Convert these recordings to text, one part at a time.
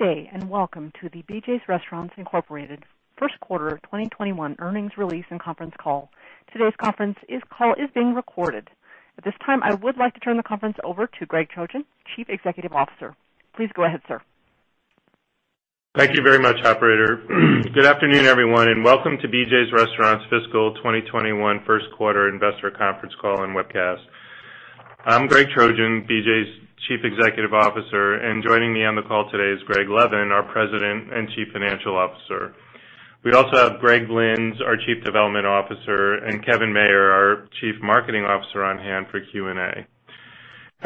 Good day. Welcome to the BJ's Restaurants Incorporated First Quarter 2021 Earnings Release and Conference Call. Today's conference call is being recorded. At this time, I would like to turn the conference over to Greg Trojan, Chief Executive Officer. Please go ahead, sir. Thank you very much, operator. Good afternoon, everyone, and welcome to BJ's Restaurants' fiscal 2021 first-quarter investor conference call and webcast. I'm Greg Trojan, BJ's Chief Executive Officer, and joining me on the call today is Greg Levin, our President and Chief Financial Officer. We also have Greg Lynds, our Chief Development Officer, and Kevin Mayer, our Chief Marketing Officer, on hand for Q&A.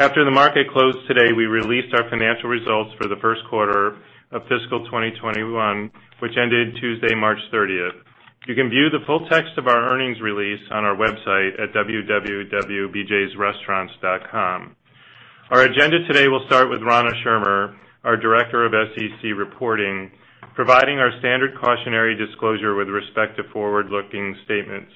After the market closed today, we released our financial results for the first quarter of fiscal 2021, which ended Tuesday, March 30th. You can view the full text of our earnings release on our website at www.bjsrestaurants.com. Our agenda today will start with Rana Schirmer, our Director of SEC Reporting, providing our standard cautionary disclosure with respect to forward-looking statements.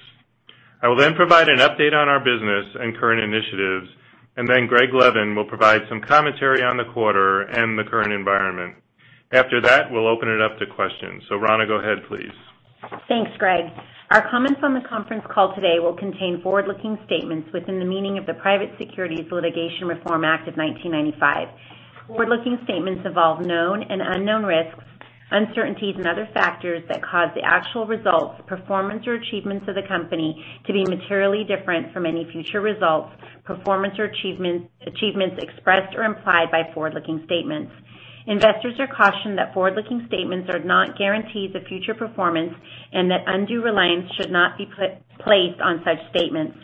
I will then provide an update on our business and current initiatives, and then Greg Levin will provide some commentary on the quarter and the current environment. After that, we'll open it up to questions. Rana, go ahead, please. Thanks, Greg. Our comments on the conference call today will contain forward-looking statements within the meaning of the Private Securities Litigation Reform Act of 1995. Forward-looking statements involve known and unknown risks, uncertainties, and other factors that cause the actual results, performance, or achievements of the company to be materially different from any future results, performance, or achievements expressed or implied by forward-looking statements. Investors are cautioned that forward-looking statements are not guarantees of future performance and that undue reliance should not be placed on such statements.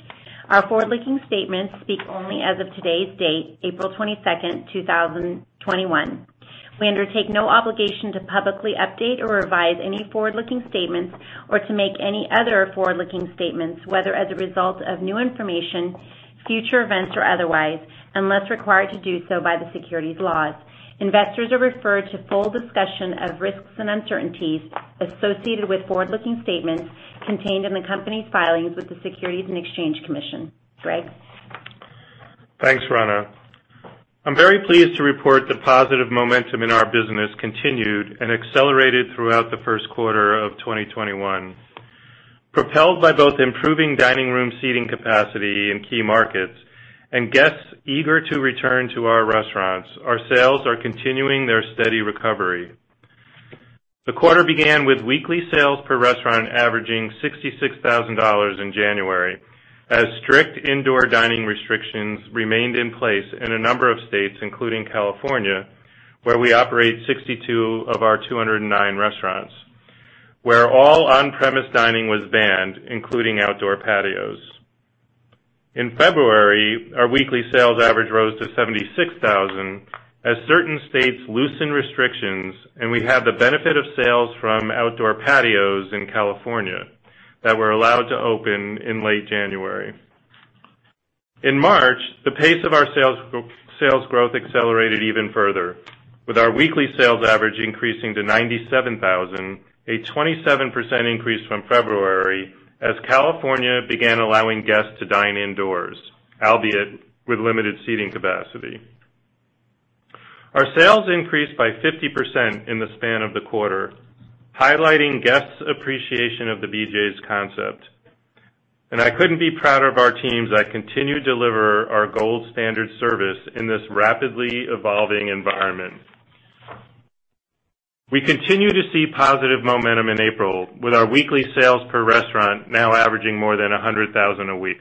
Our forward-looking statements speak only as of today's date, April 22nd, 2021. We undertake no obligation to publicly update or revise any forward-looking statements or to make any other forward-looking statements, whether as a result of new information, future events, or otherwise, unless required to do so by the securities laws. Investors are referred to full discussion of risks and uncertainties associated with forward-looking statements contained in the company's filings with the Securities and Exchange Commission. Greg? Thanks, Rana. I'm very pleased to report the positive momentum in our business continued and accelerated throughout the first quarter of 2021. Propelled by both improving dining room seating capacity in key markets and guests eager to return to our restaurants, our sales are continuing their steady recovery. The quarter began with weekly sales per restaurant averaging $66,000 in January, as strict indoor dining restrictions remained in place in a number of states, including California, where we operate 62 of our 209 restaurants, where all on-premise dining was banned, including outdoor patios. In February, our weekly sales average rose to $76,000 as certain states loosened restrictions and we had the benefit of sales from outdoor patios in California that were allowed to open in late January. In March, the pace of our sales growth accelerated even further, with our weekly sales average increasing to $97,000, a 27% increase from February, as California began allowing guests to dine indoors, albeit with limited seating capacity. Our sales increased by 50% in the span of the quarter, highlighting guests' appreciation of the BJ's concept. I couldn't be prouder of our teams that continue to deliver our gold standard service in this rapidly evolving environment. We continue to see positive momentum in April, with our weekly sales per restaurant now averaging more than $100,000 a week.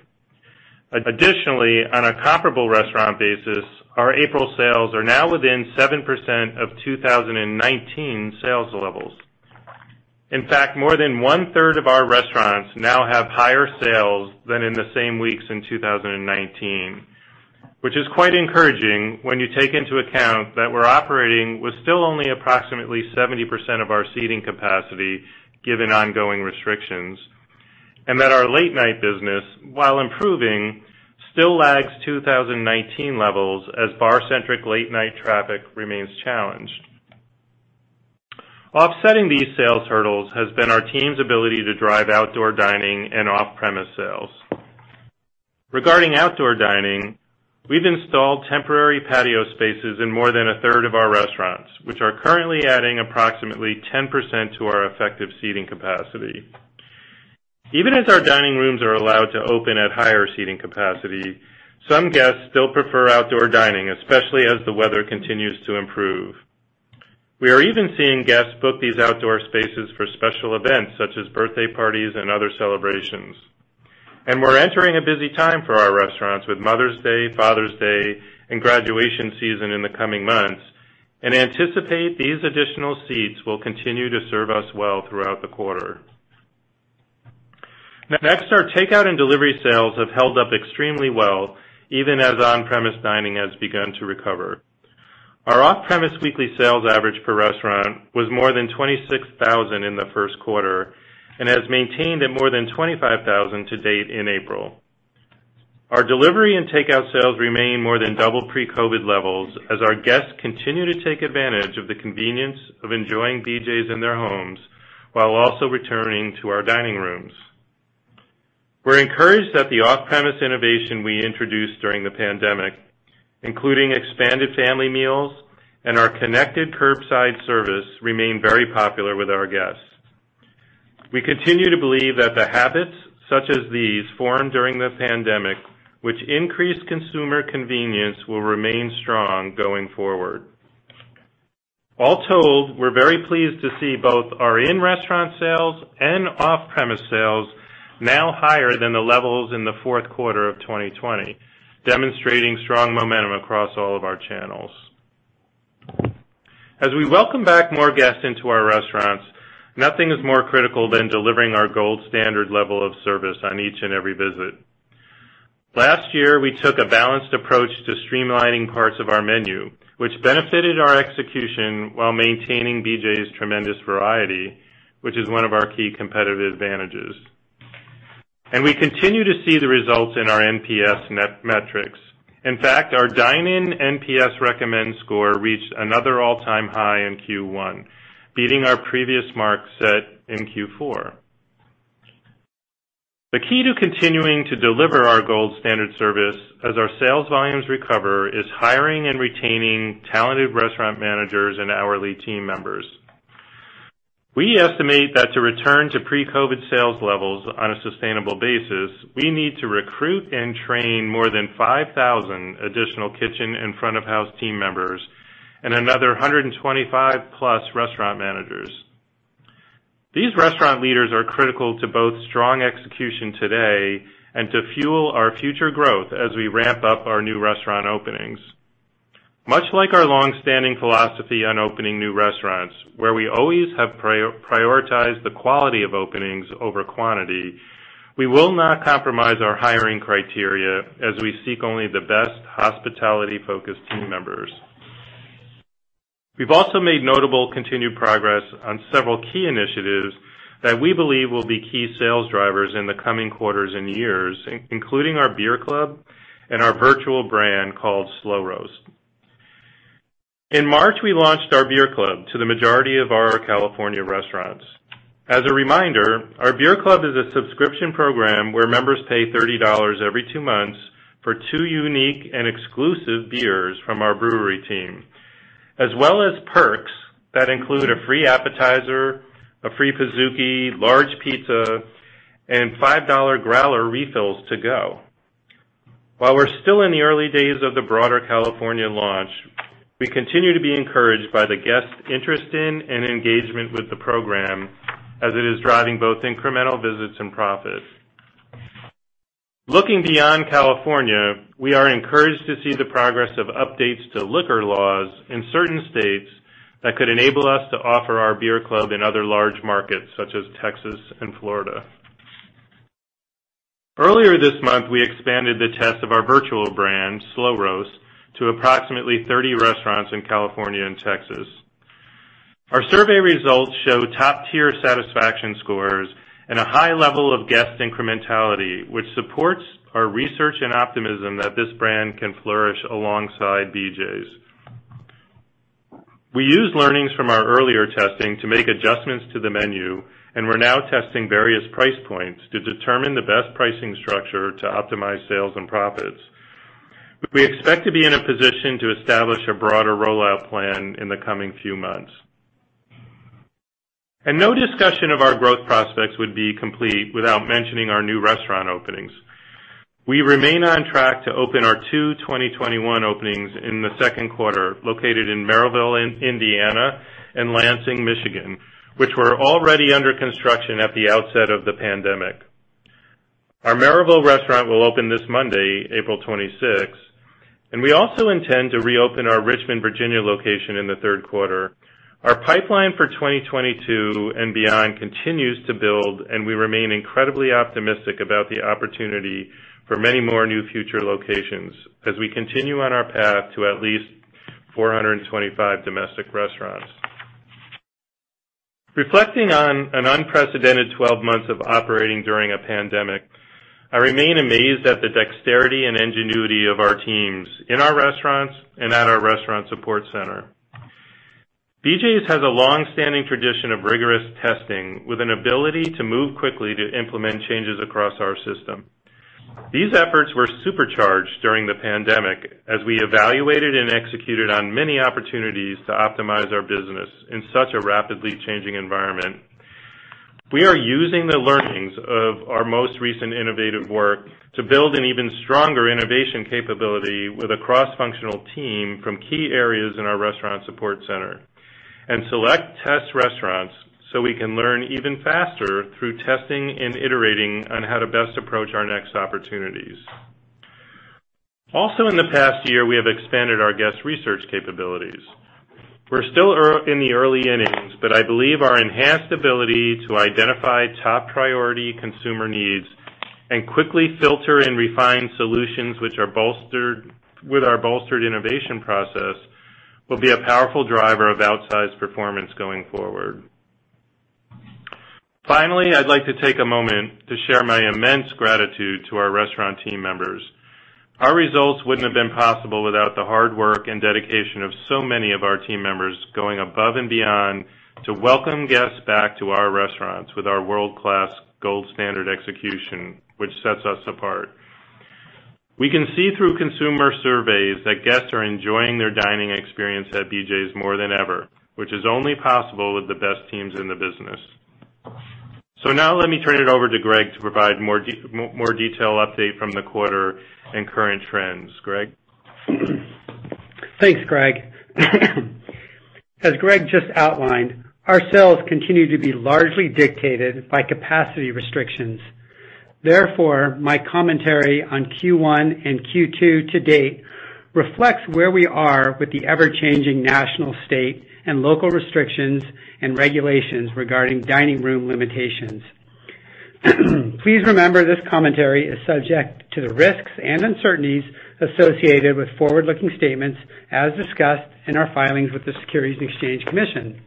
Additionally, on a comparable restaurant basis, our April sales are now within 7% of 2019 sales levels. In fact, more than one-third of our restaurants now have higher sales than in the same weeks in 2019, which is quite encouraging when you take into account that we're operating with still only approximately 70% of our seating capacity given ongoing restrictions, and that our late-night business, while improving, still lags 2019 levels as bar-centric late-night traffic remains challenged. Offsetting these sales hurdles has been our team's ability to drive outdoor dining and off-premise sales. Regarding outdoor dining, we've installed temporary patio spaces in more than a third of our restaurants, which are currently adding approximately 10% to our effective seating capacity. Even as our dining rooms are allowed to open at higher seating capacity, some guests still prefer outdoor dining, especially as the weather continues to improve. We are even seeing guests book these outdoor spaces for special events such as birthday parties and other celebrations. We're entering a busy time for our restaurants with Mother's Day, Father's Day, and graduation season in the coming months and anticipate these additional seats will continue to serve us well throughout the quarter. Next, our takeout and delivery sales have held up extremely well even as on-premise dining has begun to recover. Our off-premise weekly sales average per restaurant was more than $26,000 in the first quarter and has maintained at more than $25,000 to date in April. Our delivery and takeout sales remain more than double pre-COVID levels as our guests continue to take advantage of the convenience of enjoying BJ's in their homes while also returning to our dining rooms. We're encouraged that the off-premise innovation we introduced during the pandemic, including expanded family meals and our connected curbside service, remain very popular with our guests. We continue to believe that the habits, such as these, formed during the pandemic, which increase consumer convenience will remain strong going forward. All told, we're very pleased to see both our in-restaurant sales and off-premise sales now higher than the levels in the fourth quarter of 2020, demonstrating strong momentum across all of our channels. As we welcome back more guests into our restaurants, nothing is more critical than delivering our gold standard level of service on each and every visit. Last year, we took a balanced approach to streamlining parts of our menu, which benefited our execution while maintaining BJ's tremendous variety, which is one of our key competitive advantages. We continue to see the results in our NPS net metrics. In fact, our dine-in NPS recommend score reached another all-time high in Q1, beating our previous mark set in Q4. The key to continuing to deliver our gold standard service as our sales volumes recover, is hiring and retaining talented restaurant managers and hourly team members. We estimate that to return to pre-COVID sales levels on a sustainable basis, we need to recruit and train more than 5,000 additional kitchen and front of house team members and another 125+ restaurant managers. These restaurant leaders are critical to both strong execution today and to fuel our future growth as we ramp up our new restaurant openings. Much like our longstanding philosophy on opening new restaurants, where we always have prioritized the quality of openings over quantity, we will not compromise our hiring criteria as we seek only the best hospitality focused team members. We've also made notable continued progress on several key initiatives that we believe will be key sales drivers in the coming quarters and years, including our Beer Club and our virtual brand called Slo Roast. In March, we launched our Beer Club to the majority of our California restaurants. As a reminder, our Beer Club is a subscription program where members pay $30 every two months for two unique and exclusive beers from our brewery team, as well as perks that include a free appetizer, a free Pizookie, large pizza, and $5 growler refills to go. While we're still in the early days of the broader California launch, we continue to be encouraged by the guest interest in and engagement with the program as it is driving both incremental visits and profits. Looking beyond California, we are encouraged to see the progress of updates to liquor laws in certain states that could enable us to offer our beer club in other large markets, such as Texas and Florida. Earlier this month, we expanded the test of our virtual brand, Slo Roast, to approximately 30 restaurants in California and Texas. Our survey results show top tier satisfaction scores and a high level of guest incrementality, which supports our research and optimism that this brand can flourish alongside BJ's. We used learnings from our earlier testing to make adjustments to the menu, and we're now testing various price points to determine the best pricing structure to optimize sales and profits. We expect to be in a position to establish a broader rollout plan in the coming few months. No discussion of our growth prospects would be complete without mentioning our new restaurant openings. We remain on track to open our two 2021 openings in the second quarter, located in Merrillville, Indiana and Lansing, Michigan, which were already under construction at the outset of the pandemic. Our Merrillville restaurant will open this Monday, April 26, and we also intend to reopen our Richmond, Virginia location in the third quarter. Our pipeline for 2022 and beyond continues to build, and we remain incredibly optimistic about the opportunity for many more new future locations as we continue on our path to at least 425 domestic restaurants. Reflecting on an unprecedented 12 months of operating during a pandemic, I remain amazed at the dexterity and ingenuity of our teams in our restaurants and at our restaurant support center. BJ's has a longstanding tradition of rigorous testing with an ability to move quickly to implement changes across our system. These efforts were supercharged during the pandemic as we evaluated and executed on many opportunities to optimize our business in such a rapidly changing environment. We are using the learnings of our most recent innovative work to build an even stronger innovation capability with a cross-functional team from key areas in our restaurant support center and select test restaurants so we can learn even faster through testing and iterating on how to best approach our next opportunities. Also in the past year, we have expanded our guest research capabilities. We're still in the early innings, but I believe our enhanced ability to identify top priority consumer needs and quickly filter and refine solutions with our bolstered innovation process will be a powerful driver of outsized performance going forward. Finally, I'd like to take a moment to share my immense gratitude to our restaurant team members. Our results wouldn't have been possible without the hard work and dedication of so many of our team members going above and beyond to welcome guests back to our restaurants with our world-class gold standard execution, which sets us apart. We can see through consumer surveys that guests are enjoying their dining experience at BJ's more than ever, which is only possible with the best teams in the business. Now let me turn it over to Greg to provide more detail update from the quarter and current trends. Greg? Thanks, Greg. As Greg just outlined, our sales continue to be largely dictated by capacity restrictions. Therefore, my commentary on Q1 and Q2 to date reflects where we are with the ever-changing national, state, and local restrictions and regulations regarding dining room limitations. Please remember this commentary is subject to the risks and uncertainties associated with forward-looking statements as discussed in our filings with the Securities and Exchange Commission.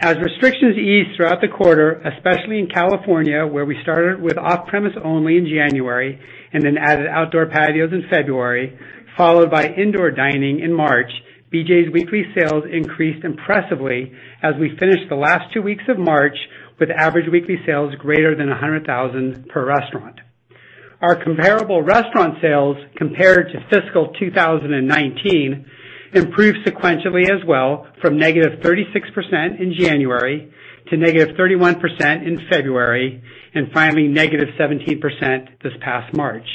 As restrictions eased throughout the quarter, especially in California, where we started with off-premise only in January and then added outdoor patios in February, followed by indoor dining in March, BJ's weekly sales increased impressively as we finished the last two weeks of March with average weekly sales greater than $100,000 per restaurant. Our comparable restaurant sales, compared to fiscal 2019, improved sequentially as well from negative 36% in January to negative 31% in February, and finally negative 17% this past March.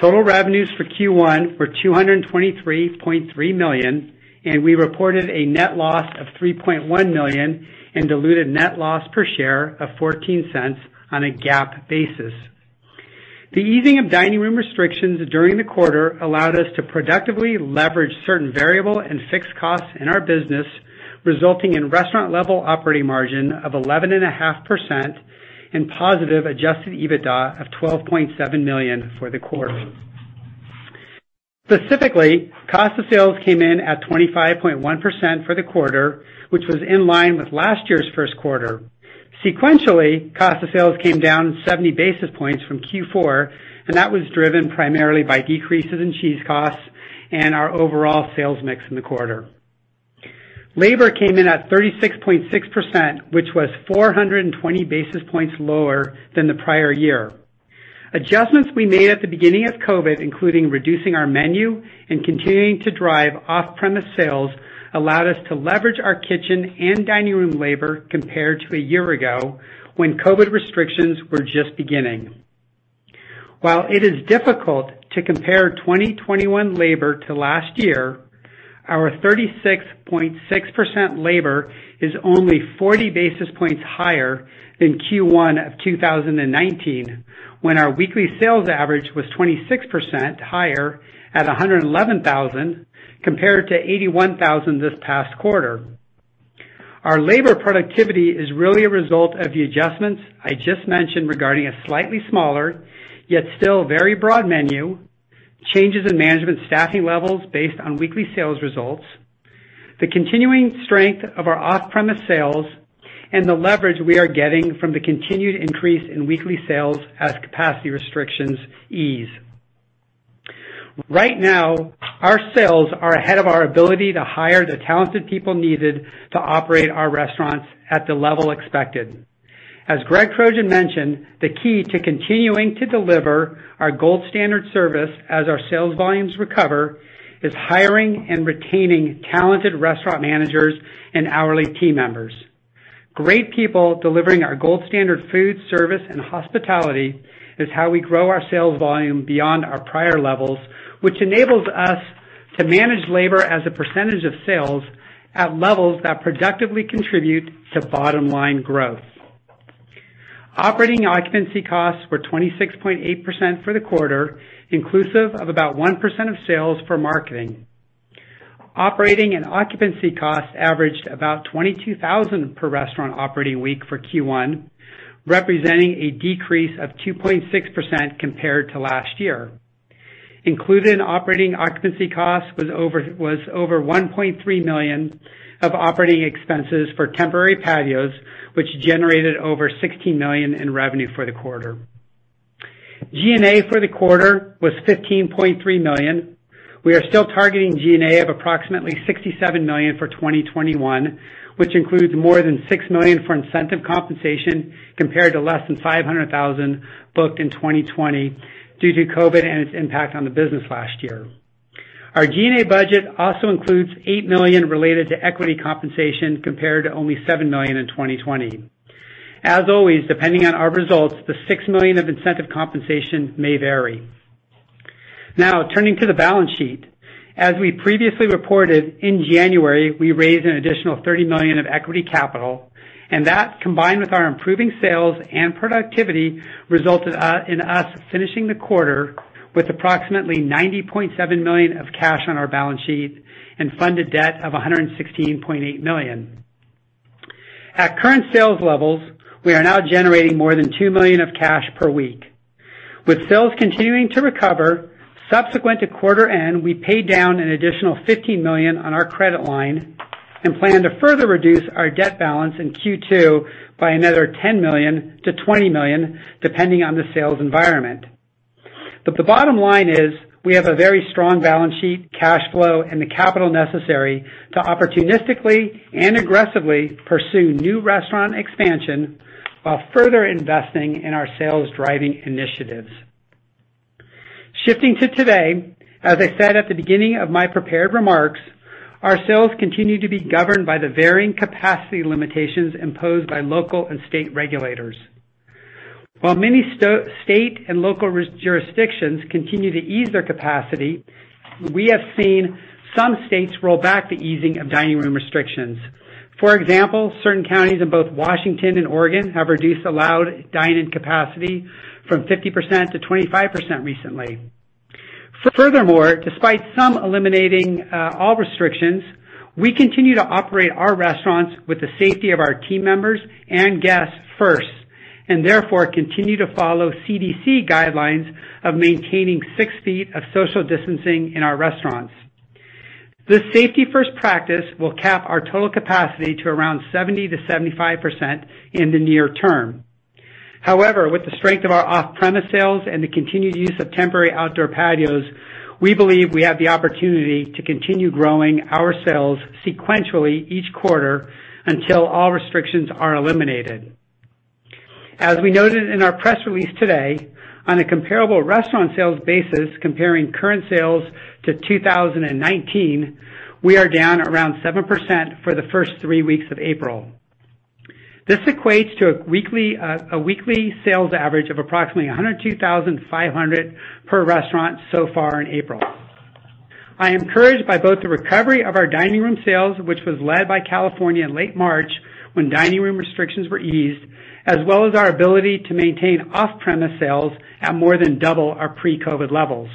Total revenues for Q1 were $223.3 million. We reported a net loss of $3.1 million and diluted net loss per share of $0.14 on a GAAP basis. The easing of dining room restrictions during the quarter allowed us to productively leverage certain variable and fixed costs in our business, resulting in restaurant level operating margin of 11.5% and positive adjusted EBITDA of $12.7 million for the quarter. Specifically, cost of sales came in at 25.1% for the quarter, which was in line with last year's first quarter. Sequentially, cost of sales came down 70 basis points from Q4. That was driven primarily by decreases in cheese costs and our overall sales mix in the quarter. Labor came in at 36.6%, which was 420 basis points lower than the prior year. Adjustments we made at the beginning of COVID, including reducing our menu and continuing to drive off-premise sales, allowed us to leverage our kitchen and dining room labor compared to a year ago when COVID restrictions were just beginning. While it is difficult to compare 2021 labor to last year, our 36.6% labor is only 40 basis points higher than Q1 of 2019, when our weekly sales average was 26% higher at $111,000 compared to $81,000 this past quarter. Our labor productivity is really a result of the adjustments I just mentioned regarding a slightly smaller, yet still very broad menu, changes in management staffing levels based on weekly sales results, the continuing strength of our off-premise sales, and the leverage we are getting from the continued increase in weekly sales as capacity restrictions ease. Right now, our sales are ahead of our ability to hire the talented people needed to operate our restaurants at the level expected. As Greg Trojan mentioned, the key to continuing to deliver our gold standard service as our sales volumes recover, is hiring and retaining talented restaurant managers and hourly team members. Great people delivering our gold standard food, service, and hospitality is how we grow our sales volume beyond our prior levels, which enables us to manage labor as a percentage of sales at levels that productively contribute to bottom-line growth. Operating occupancy costs were 26.8% for the quarter, inclusive of about 1% of sales for marketing. Operating and occupancy costs averaged about $22,000 per restaurant operating week for Q1, representing a decrease of 2.6% compared to last year. Included in operating occupancy costs was over $1.3 million of operating expenses for temporary patios, which generated over $16 million in revenue for the quarter. G&A for the quarter was $15.3 million. We are still targeting G&A of approximately $67 million for 2021, which includes more than $6 million for incentive compensation, compared to less than $500,000 booked in 2020 due to COVID and its impact on the business last year. Our G&A budget also includes $8 million related to equity compensation, compared to only $7 million in 2020. As always, depending on our results, the $6 million of incentive compensation may vary. Now, turning to the balance sheet. As we previously reported, in January, we raised an additional $30 million of equity capital. That, combined with our improving sales and productivity, resulted in us finishing the quarter with approximately $90.7 million of cash on our balance sheet and funded debt of $116.8 million. At current sales levels, we are now generating more than $2 million of cash per week. With sales continuing to recover, subsequent to quarter end, we paid down an additional $15 million on our credit line. Plan to further reduce our debt balance in Q2 by another $10 million-$20 million, depending on the sales environment. The bottom line is we have a very strong balance sheet, cash flow, and the capital necessary to opportunistically and aggressively pursue new restaurant expansion while further investing in our sales-driving initiatives. Shifting to today, as I said at the beginning of my prepared remarks, our sales continue to be governed by the varying capacity limitations imposed by local and state regulators. While many state and local jurisdictions continue to ease their capacity, we have seen some states roll back the easing of dining room restrictions. For example, certain counties in both Washington and Oregon have reduced allowed dine-in capacity from 50%-25% recently. Furthermore, despite some eliminating all restrictions, we continue to operate our restaurants with the safety of our team members and guests first, and therefore continue to follow CDC guidelines of maintaining 6 ft of social distancing in our restaurants. This safety-first practice will cap our total capacity to around 70%-75% in the near term. However, with the strength of our off-premise sales and the continued use of temporary outdoor patios, we believe we have the opportunity to continue growing our sales sequentially each quarter until all restrictions are eliminated. As we noted in our press release today, on a comparable restaurant sales basis comparing current sales to 2019, we are down around 7% for the first three weeks of April. This equates to a weekly sales average of approximately $102,500 per restaurant so far in April. I am encouraged by both the recovery of our dining room sales, which was led by California in late March when dining room restrictions were eased, as well as our ability to maintain off-premise sales at more than double our pre-COVID levels.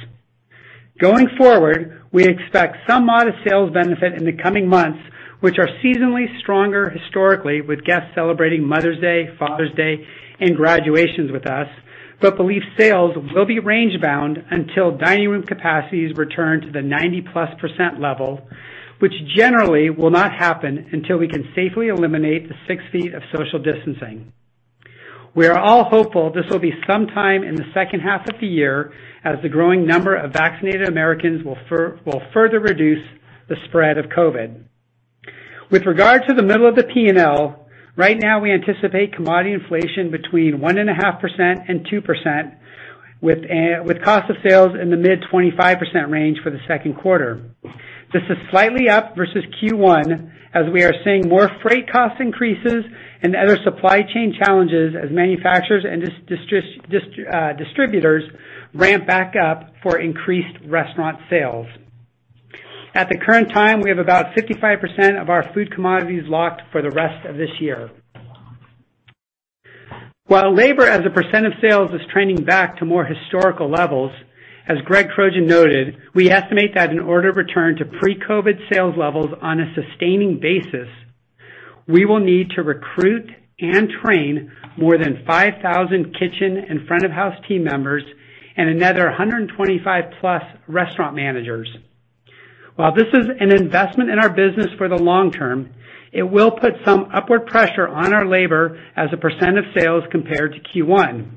Going forward, we expect some modest sales benefit in the coming months, which are seasonally stronger historically with guests celebrating Mother's Day, Father's Day, and graduations with us, but believe sales will be range bound until dining room capacities return to the 90%+ level, which generally will not happen until we can safely eliminate the 6 ft of social distancing. We are all hopeful this will be sometime in the second half of the year as the growing number of vaccinated Americans will further reduce the spread of COVID. With regard to the middle of the P&L, right now we anticipate commodity inflation between 1.5% and 2% with cost of sales in the mid 25% range for the second quarter. This is slightly up versus Q1, as we are seeing more freight cost increases and other supply chain challenges as manufacturers and distributors ramp back up for increased restaurant sales. At the current time, we have about 65% of our food commodities locked for the rest of this year. While labor as a percent of sales is trending back to more historical levels, as Greg Trojan noted, we estimate that in order to return to pre-COVID sales levels on a sustaining basis, we will need to recruit and train more than 5,000 kitchen and front of house team members and another 125+ restaurant managers. While this is an investment in our business for the long term, it will put some upward pressure on our labor as a percent of sales compared to Q1.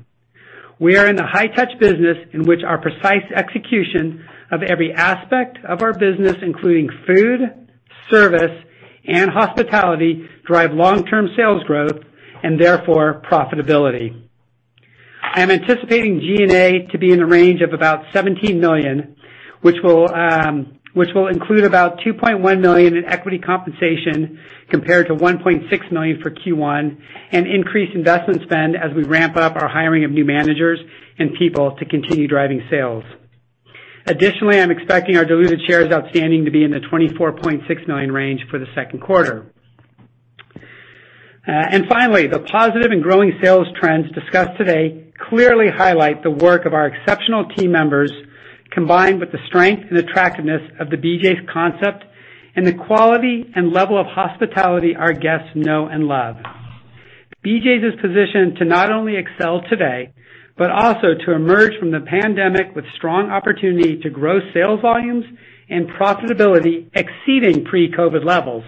We are in the high touch business in which our precise execution of every aspect of our business, including food, service, and hospitality, drive long-term sales growth and therefore profitability. I am anticipating G&A to be in the range of about $17 million, which will include about $2.1 million in equity compensation compared to $1.6 million for Q1, an increased investment spend as we ramp up our hiring of new managers and people to continue driving sales. Additionally, I'm expecting our diluted shares outstanding to be in the 24.6 million range for the second quarter. Finally, the positive and growing sales trends discussed today clearly highlight the work of our exceptional team members, combined with the strength and attractiveness of the BJ's concept and the quality and level of hospitality our guests know and love. BJ's is positioned to not only excel today, but also to emerge from the pandemic with strong opportunity to grow sales volumes and profitability exceeding pre-COVID levels.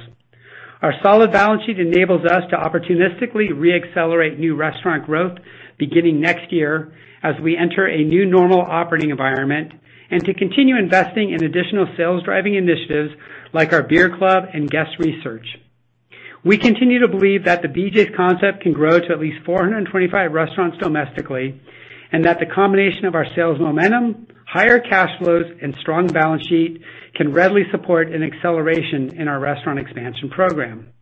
Our solid balance sheet enables us to opportunistically re-accelerate new restaurant growth beginning next year as we enter a new normal operating environment and to continue investing in additional sales driving initiatives like our Beer Club and guest research. We continue to believe that the BJ's concept can grow to at least 425 restaurants domestically, and that the combination of our sales momentum, higher cash flows, and strong balance sheet can readily support an acceleration in our restaurant expansion program.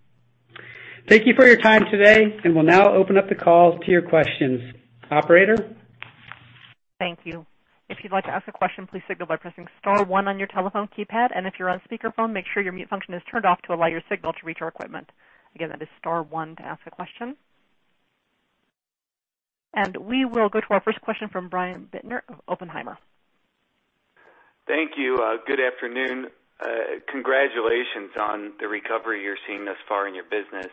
Thank you for your time today, and we'll now open up the call to your questions. Operator? Thank you. If you'd like to ask a question, please signal by pressing star one on your telephone keypad. If you're on speakerphone, make sure your mute function is turned off to allow your signal to reach our equipment. Again, that is star one to ask a question. We will go to our first question from Brian Bittner of Oppenheimer. Thank you. Good afternoon. Congratulations on the recovery you're seeing thus far in your business.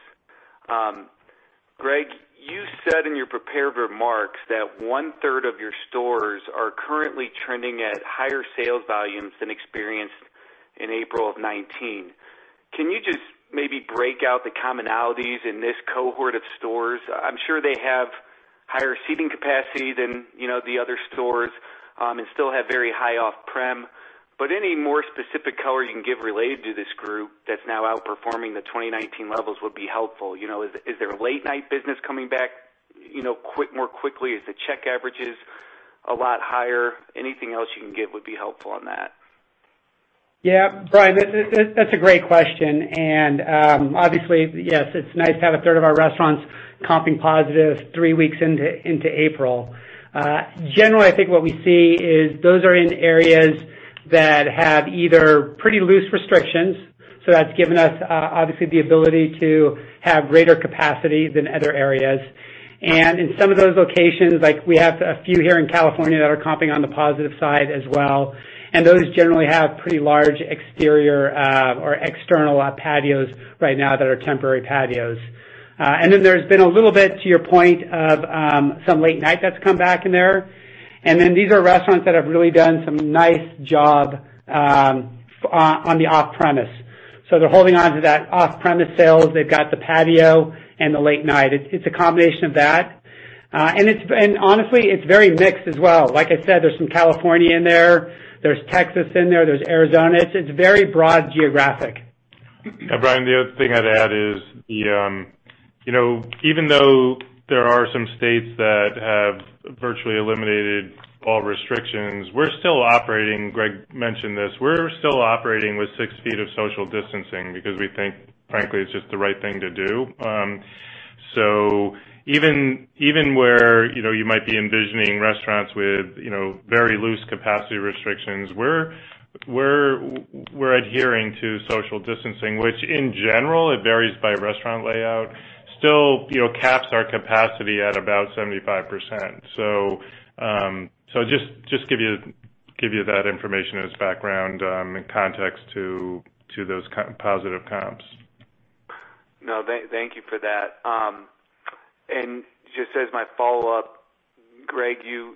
Greg, you said in your prepared remarks that 1/3 of your stores are currently trending at higher sales volumes than experienced in April of 2019. Can you just maybe break out the commonalities in this cohort of stores? I'm sure they have higher seating capacity than the other stores, and still have very high off-prem, but any more specific color you can give related to this group that's now outperforming the 2019 levels would be helpful. Is there a late-night business coming back more quickly? Is the check averages a lot higher? Anything else you can give would be helpful on that. Yeah. Brian, that's a great question, and, obviously, yes, it's nice to have 1/3 of our restaurants comping positive three weeks into April. Generally, I think what we see is those are in areas that have either pretty loose restrictions, so that's given us, obviously, the ability to have greater capacity than other areas. In some of those locations, like we have a few here in California that are comping on the positive side as well, and those generally have pretty large exterior or external patios right now that are temporary patios. There's been a little bit, to your point, of some late night that's come back in there. These are restaurants that have really done some nice job on the off-premise. They're holding onto that off-premise sales. They've got the patio and the late night. It's a combination of that. Honestly, it's very mixed as well. Like I said, there's some California in there's Texas in there's Arizona. It's very broad geographic. Yeah, Brian, the other thing I'd add is even though there are some states that have virtually eliminated all restrictions, we're still operating, Greg mentioned this, we're still operating with 6 ft of social distancing because we think, frankly, it's just the right thing to do. Even where you might be envisioning restaurants with very loose capacity restrictions, we're adhering to social distancing, which in general, it varies by restaurant layout, still caps our capacity at about 75%. Just give you that information as background in context to those positive comps. No, thank you for that. Just as my follow-up, Greg, you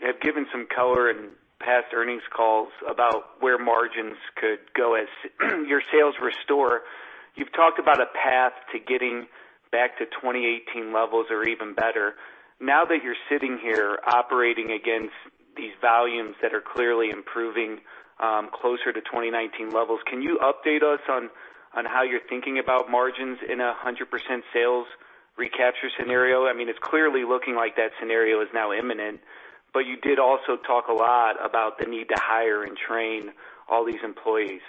have given some color in past earnings calls about where margins could go as your sales restore. You've talked about a path to getting back to 2018 levels or even better. That you're sitting here operating against these volumes that are clearly improving closer to 2019 levels, can you update us on how you're thinking about margins in 100% sales recapture scenario? It's clearly looking like that scenario is now imminent, you did also talk a lot about the need to hire and train all these employees.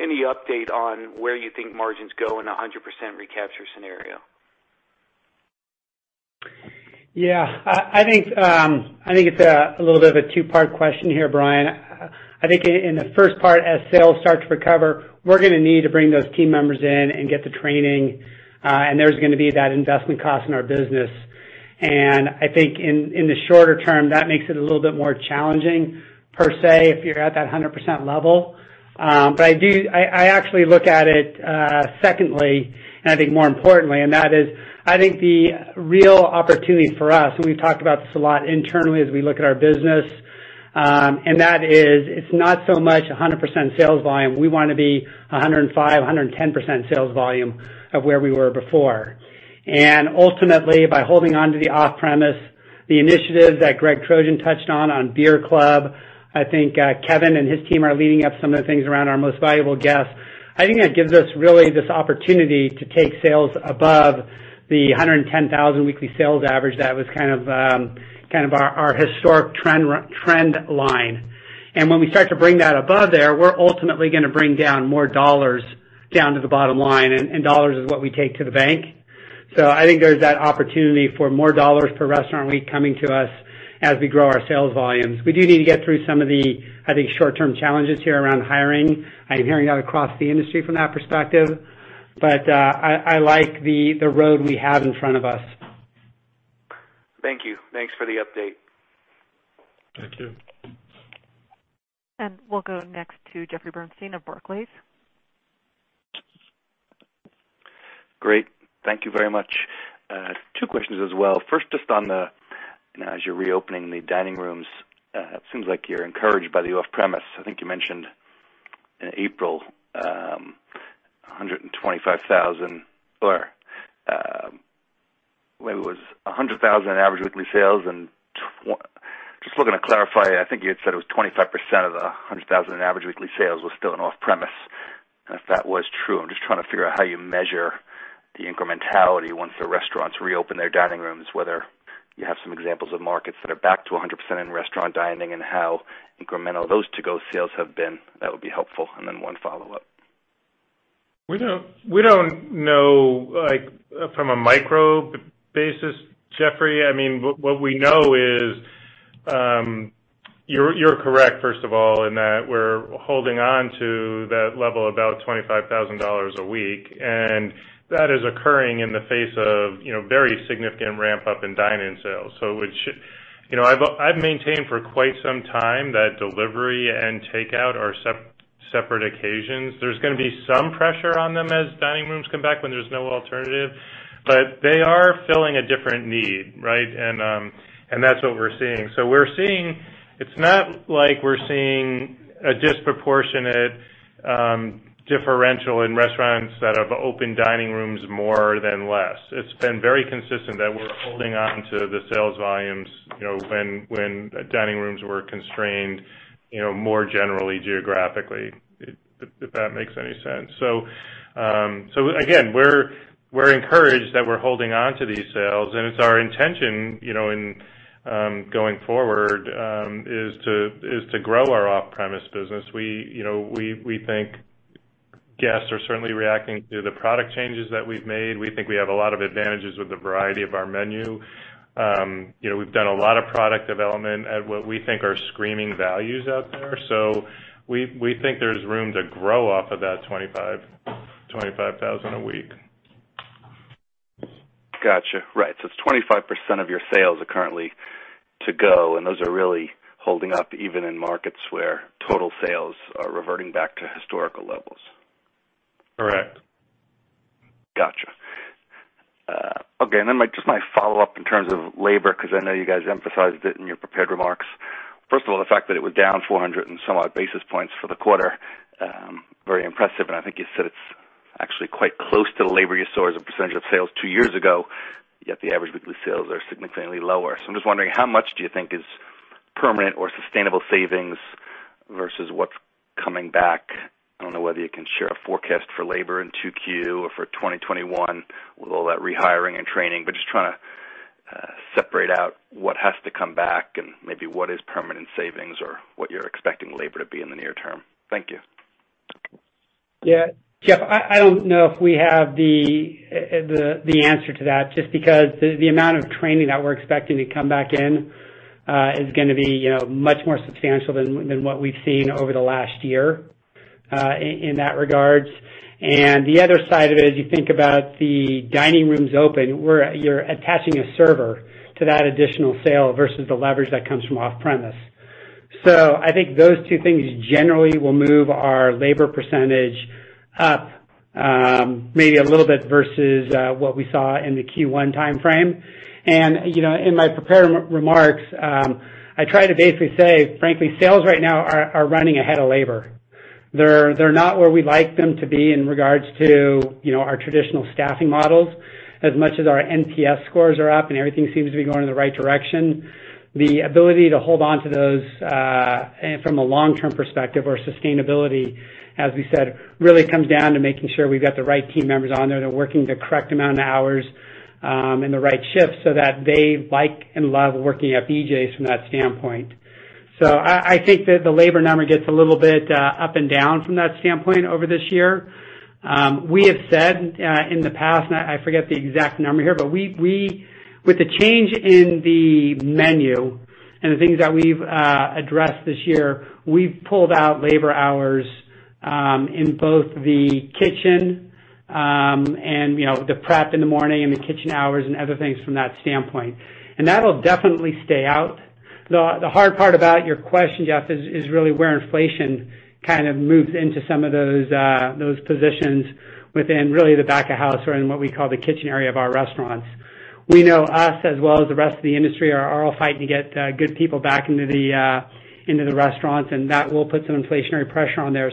Any update on where you think margins go in 100% recapture scenario? Yeah. I think it's a little bit of a two-part question here, Brian. I think in the first part, as sales start to recover, we're going to need to bring those team members in and get the training, and there's going to be that investment cost in our business. I think in the shorter term, that makes it a little bit more challenging per se, if you're at that 100% level. I actually look at it secondly, and I think more importantly, and that is, I think the real opportunity for us, and we've talked about this a lot internally as we look at our business, and that is, it's not so much 100% sales volume. We want to be 105%, 110% sales volume of where we were before. Ultimately, by holding onto the off-premise, the initiatives that Greg Trojan touched on Beer Club, I think Kevin and his team are leading up some of the things around our most valuable guests. I think that gives us really this opportunity to take sales above the 110,000 weekly sales average that was our historic trend line. When we start to bring that above there, we're ultimately going to bring down more dollars down to the bottom line, and dollars is what we take to the bank. I think there's that opportunity for more dollars per restaurant week coming to us as we grow our sales volumes. We do need to get through some of the, I think, short-term challenges here around hiring. I'm hearing that across the industry from that perspective. I like the road we have in front of us. Thank you. Thanks for the update. Thank you. We'll go next to Jeffrey Bernstein of Barclays. Great. Thank you very much. Two questions as well. First, just on the, as you're reopening the dining rooms, it seems like you're encouraged by the off-premise. I think you mentioned in April, 125,000 or maybe it was $100,000 in average weekly sales just looking to clarify, I think you had said it was 25% of the $100,000 in average weekly sales was still in off-premise. If that was true, I'm just trying to figure out how you measure the incrementality once the restaurants reopen their dining rooms, whether you have some examples of markets that are back to 100% in restaurant dining and how incremental those to-go sales have been. That would be helpful. One follow-up. We don't know from a micro basis, Jeffrey. What we know is, you're correct, first of all, in that we're holding on to that level of about $25,000 a week, and that is occurring in the face of very significant ramp-up in dine-in sales. I've maintained for quite some time that delivery and takeout are separate occasions. There's going to be some pressure on them as dining rooms come back when there's no alternative. They are filling a different need, right? That's what we're seeing. It's not like we're seeing a disproportionate differential in restaurants that have opened dining rooms more than less. It's been very consistent that we're holding on to the sales volumes when dining rooms were constrained more generally geographically. If that makes any sense. Again, we're encouraged that we're holding on to these sales and it's our intention, going forward, is to grow our off-premise business. We think guests are certainly reacting to the product changes that we've made. We think we have a lot of advantages with the variety of our menu. We've done a lot of product development at what we think are screaming values out there. We think there's room to grow off of that $25,000 a week. Got you. Right. It's 25% of your sales are currently to go, and those are really holding up even in markets where total sales are reverting back to historical levels. Correct. Got you. Okay, just my follow-up in terms of labor, because I know you guys emphasized it in your prepared remarks. First of all, the fact that it was down 400 and some odd basis points for the quarter, very impressive and I think you said it's actually quite close to the labor you sourced a percentage of sales two years ago, yet the average weekly sales are significantly lower. I'm just wondering, how much do you think is permanent or sustainable savings versus what's coming back? I don't know whether you can share a forecast for labor in 2Q or for 2021 with all that rehiring and training, but just trying to separate out what has to come back and maybe what is permanent savings or what you're expecting labor to be in the near term. Thank you. Jeff, I don't know if we have the answer to that, just because the amount of training that we're expecting to come back in is going to be much more substantial than what we've seen over the last year in that regards. The other side of it is you think about the dining rooms open, you're attaching a server to that additional sale versus the leverage that comes from off-premise. I think those two things generally will move our labor percentage up maybe a little bit versus what we saw in the Q1 timeframe. In my prepared remarks, I try to basically say, frankly, sales right now are running ahead of labor. They're not where we'd like them to be in regards to our traditional staffing models. As much as our NPS scores are up and everything seems to be going in the right direction, the ability to hold on to those from a long-term perspective or sustainability, as we said, really comes down to making sure we've got the right team members on there that are working the correct amount of hours and the right shifts so that they like and love working at BJ's from that standpoint. I think that the labor number gets a little bit up and down from that standpoint over this year. We have said in the past, and I forget the exact number here, but with the change in the menu and the things that we've addressed this year, we've pulled out labor hours in both the kitchen and the prep in the morning and the kitchen hours and other things from that standpoint. That'll definitely stay out. The hard part about your question, Jeff, is really where inflation kind of moves into some of those positions within really the back of house or in what we call the kitchen area of our restaurants. We know us as well as the rest of the industry are all fighting to get good people back into the restaurants, and that will put some inflationary pressure on there.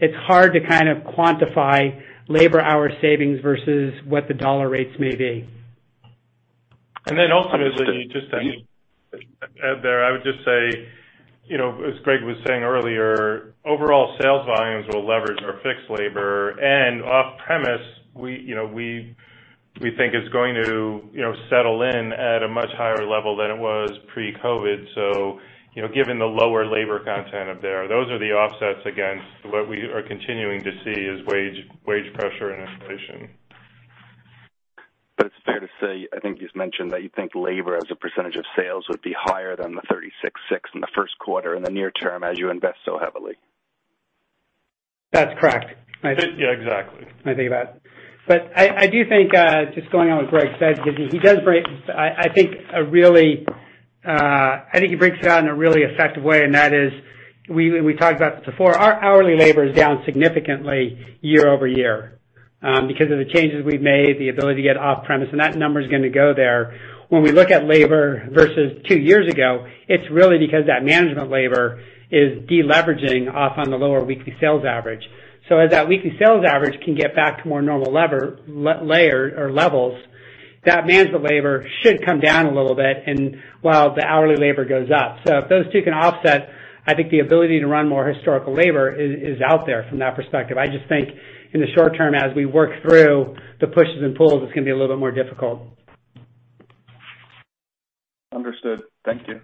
It's hard to kind of quantify labor hour savings versus what the dollar rates may be. Ultimately, just to add there, I would just say, as Greg was saying earlier, overall sales volumes will leverage our fixed labor and off-premise, we think is going to settle in at a much higher level than it was pre-COVID. Given the lower labor content up there, those are the offsets against what we are continuing to see is wage pressure and inflation. It's fair to say, I think you've mentioned that you think labor as a percentage of sales would be higher than the 36.6% in the first quarter in the near term as you invest so heavily. That's correct. Yeah, exactly. When I think about it. I do think, just going on what Greg said because he does break, I think he breaks it down in a really effective way, and that is, we talked about this before, our hourly labor is down significantly year-over-year because of the changes we've made, the ability to get off-premise, and that number's going to go there. When we look at labor versus two years ago, it's really because that management labor is de-leveraging off on the lower weekly sales average. As that weekly sales average can get back to more normal levels, that management labor should come down a little bit and while the hourly labor goes up. If those two can offset, I think the ability to run more historical labor is out there from that perspective. I just think in the short term, as we work through the pushes and pulls, it's going to be a little bit more difficult. Understood. Thank you.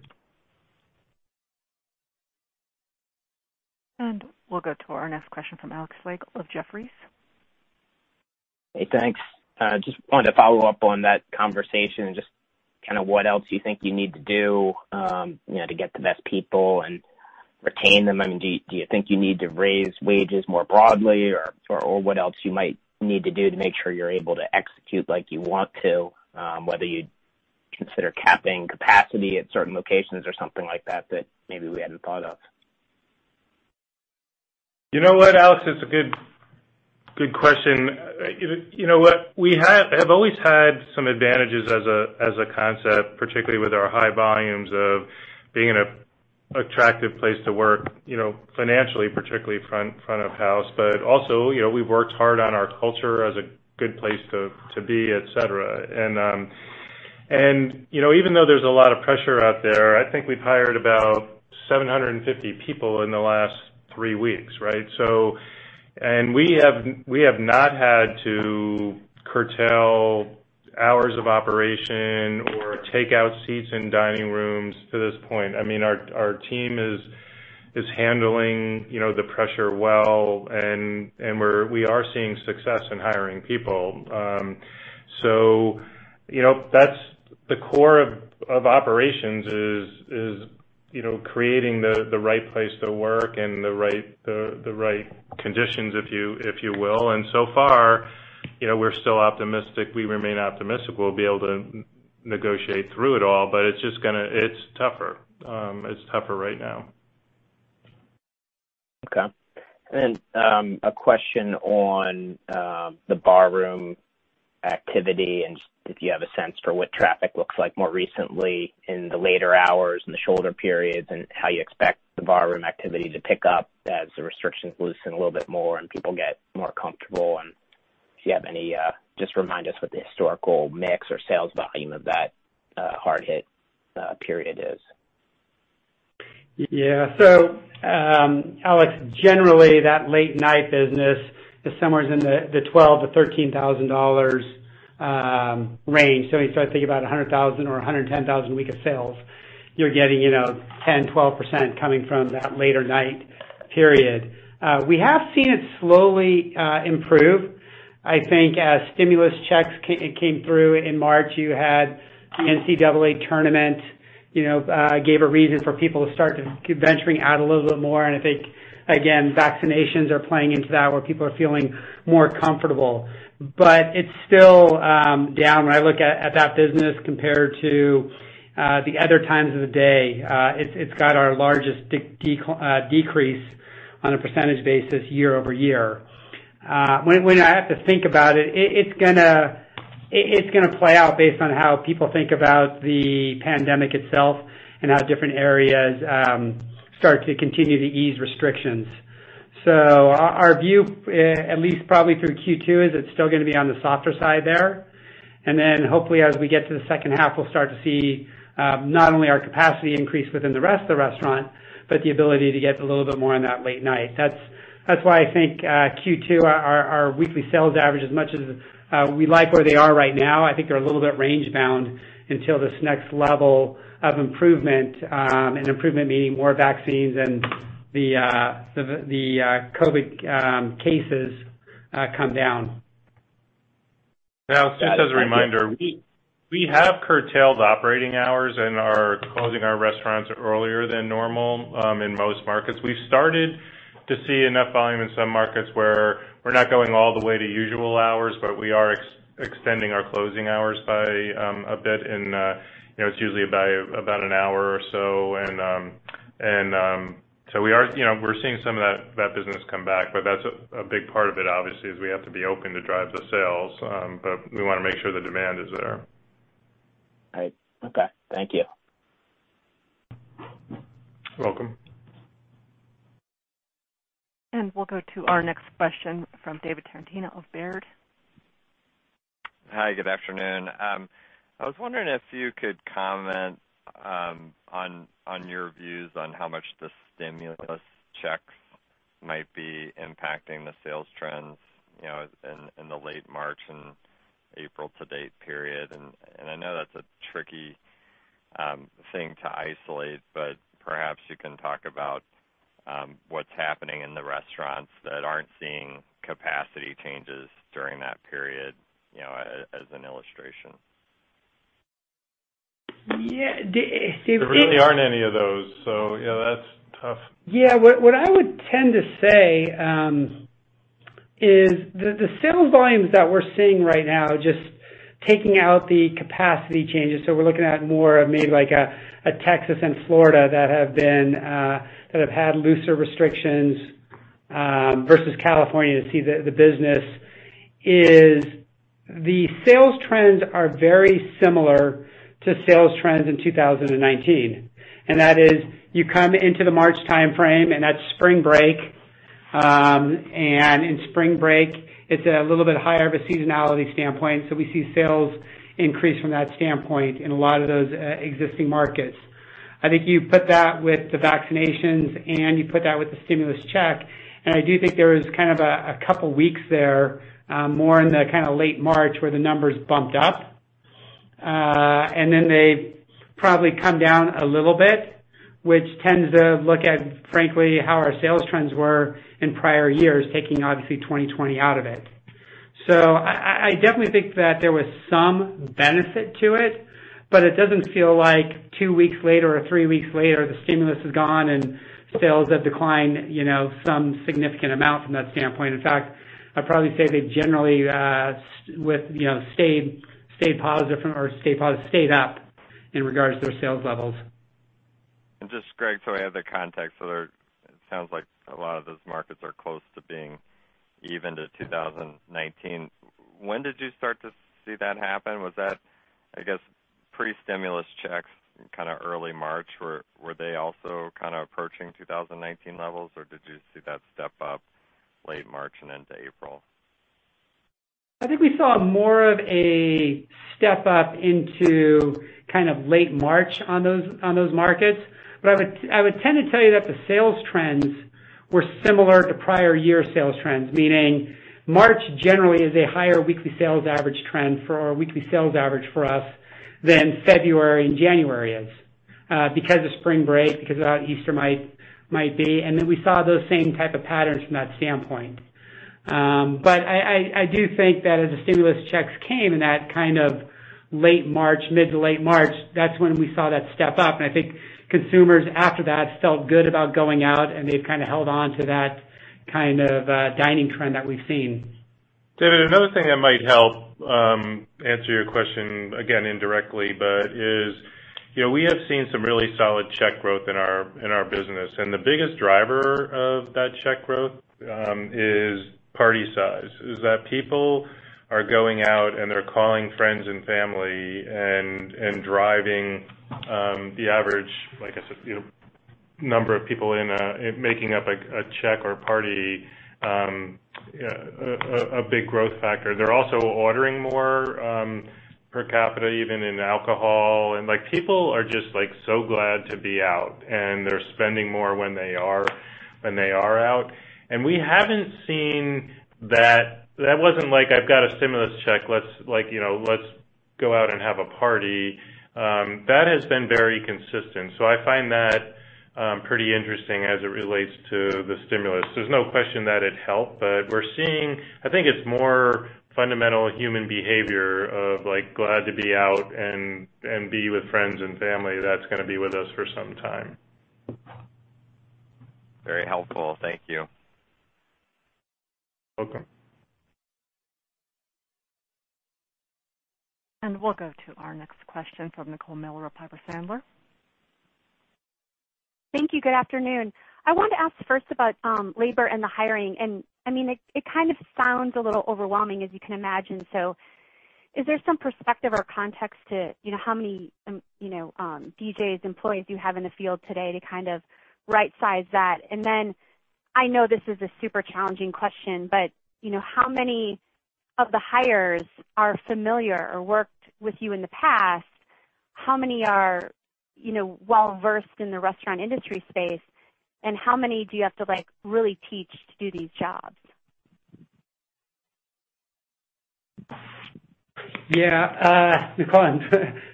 We'll go to our next question from Alex Slagle of Jefferies. Hey, thanks. Just wanted to follow up on that conversation and just kind of what else you think you need to do to get the best people and retain them. Do you think you need to raise wages more broadly or what else you might need to do to make sure you're able to execute like you want to consider capping capacity at certain locations or something like that maybe we hadn't thought of? You know what, Alex? It's a good question. You know what? We have always had some advantages as a concept, particularly with our high volumes of being an attractive place to work financially, particularly front of house. Also, we've worked hard on our culture as a good place to be, et cetera. Even though there's a lot of pressure out there, I think we've hired about 750 people in the last three weeks, right? We have not had to curtail hours of operation or take out seats in dining rooms to this point. Our team is handling the pressure well and we are seeing success in hiring people. The core of operations is creating the right place to work and the right conditions, if you will. So far, we're still optimistic. We remain optimistic we'll be able to negotiate through it all. It's tougher right now. Okay. A question on the bar room activity, and just if you have a sense for what traffic looks like more recently in the later hours and the shoulder periods, and how you expect the bar room activity to pick up as the restrictions loosen a little bit more and people get more comfortable. If you have any, just remind us what the historical mix or sales volume of that hard-hit period is. Yeah. Alex, generally that late night business is somewhere in the $12,000-$13,000 range. If you start thinking about $100,000 or $110,000 a week of sales, you're getting 10%, 12% coming from that later night period. We have seen it slowly improve. I think as stimulus checks came through in March, you had the NCAA tournament, gave a reason for people to start venturing out a little bit more. I think, again, vaccinations are playing into that, where people are feeling more comfortable. It's still down. When I look at that business compared to the other times of the day, it's got our largest decrease on a percentage basis year-over-year. When I have to think about it's going to play out based on how people think about the pandemic itself and how different areas start to continue to ease restrictions. Our view, at least probably through Q2, is it's still going to be on the softer side there. Hopefully as we get to the second half, we'll start to see not only our capacity increase within the rest of the restaurant, but the ability to get a little bit more on that late night. That's why I think Q2, our weekly sales average, as much as we like where they are right now, I think they're a little bit range bound until this next level of improvement. An improvement meaning more vaccines and the COVID cases come down. Just as a reminder, we have curtailed operating hours and are closing our restaurants earlier than normal in most markets. We've started to see enough volume in some markets where we're not going all the way to usual hours, but we are extending our closing hours by a bit, and it's usually about an hour or so. We're seeing some of that business come back, but that's a big part of it, obviously, is we have to be open to drive the sales, but we want to make sure the demand is there. All right. Okay. Thank you. You're welcome. We'll go to our next question from David Tarantino of Baird. Hi, good afternoon. I was wondering if you could comment on your views on how much the stimulus checks might be impacting the sales trends in the late March and April to date period. I know that's a tricky thing to isolate, but perhaps you can talk about what's happening in the restaurants that aren't seeing capacity changes during that period, as an illustration. Yeah. There really aren't any of those, so that's tough. Yeah. What I would tend to say is the sales volumes that we're seeing right now, just taking out the capacity changes, so we're looking at more of maybe like a Texas and Florida that have had looser restrictions versus California to see the business, is the sales trends are very similar to sales trends in 2019. That is, you come into the March timeframe, and that's spring break. In spring break, it's a little bit higher of a seasonality standpoint. We see sales increase from that standpoint in a lot of those existing markets. I think you put that with the vaccinations and you put that with the stimulus check, and I do think there was kind of a couple of weeks there, more in the late March, where the numbers bumped up. They probably come down a little bit, which tends to look at, frankly, how our sales trends were in prior years, taking obviously 2020 out of it. I definitely think that there was some benefit to it, but it doesn't feel like two weeks later or three weeks later, the stimulus is gone and sales have declined some significant amount from that standpoint. In fact, I'd probably say they've generally stayed up in regards to their sales levels. Just, Greg, so I have the context. It sounds like a lot of those markets are close to being even to 2019. When did you start to see that happen? Was that, I guess, pre-stimulus checks in early March? Were they also approaching 2019 levels, or did you see that step up late March and into April? I think we saw more of a step up into late March on those markets. I would tend to tell you that the sales trends were similar to prior year sales trends, meaning March generally is a higher weekly sales average trend for our weekly sales average for us than February and January is, because of spring break, because of how Easter might be, and then we saw those same type of patterns from that standpoint. I do think that as the stimulus checks came in that mid to late March, that's when we saw that step up, and I think consumers after that felt good about going out, and they've held on to that kind of dining trend that we've seen. David, another thing that might help answer your question, again, indirectly, we have seen some really solid check growth in our business, and the biggest driver of that check growth is party size. People are going out and they're calling friends and family and driving the average, like I said, number of people in making up a check or a party, a big growth factor. They're also ordering more per capita, even in alcohol. People are just so glad to be out, and they're spending more when they are out. We haven't seen that. That wasn't like, "I've got a stimulus check, let's go out and have a party." That has been very consistent. I find that pretty interesting as it relates to the stimulus. There's no question that it helped, but we're seeing, I think it's more fundamental human behavior of glad to be out and be with friends and family that's going to be with us for some time. Very helpful. Thank you. You're welcome. We'll go to our next question from Nicole Miller of Piper Sandler. Thank you. Good afternoon. I wanted to ask first about labor and the hiring, and it sounds a little overwhelming as you can imagine. Is there some perspective or context to how many BJ's employees you have in the field today to right size that? Then I know this is a super challenging question, but how many of the hires are familiar or worked with you in the past? How many are well-versed in the restaurant industry space, and how many do you have to really teach to do these jobs? Nicole, I'm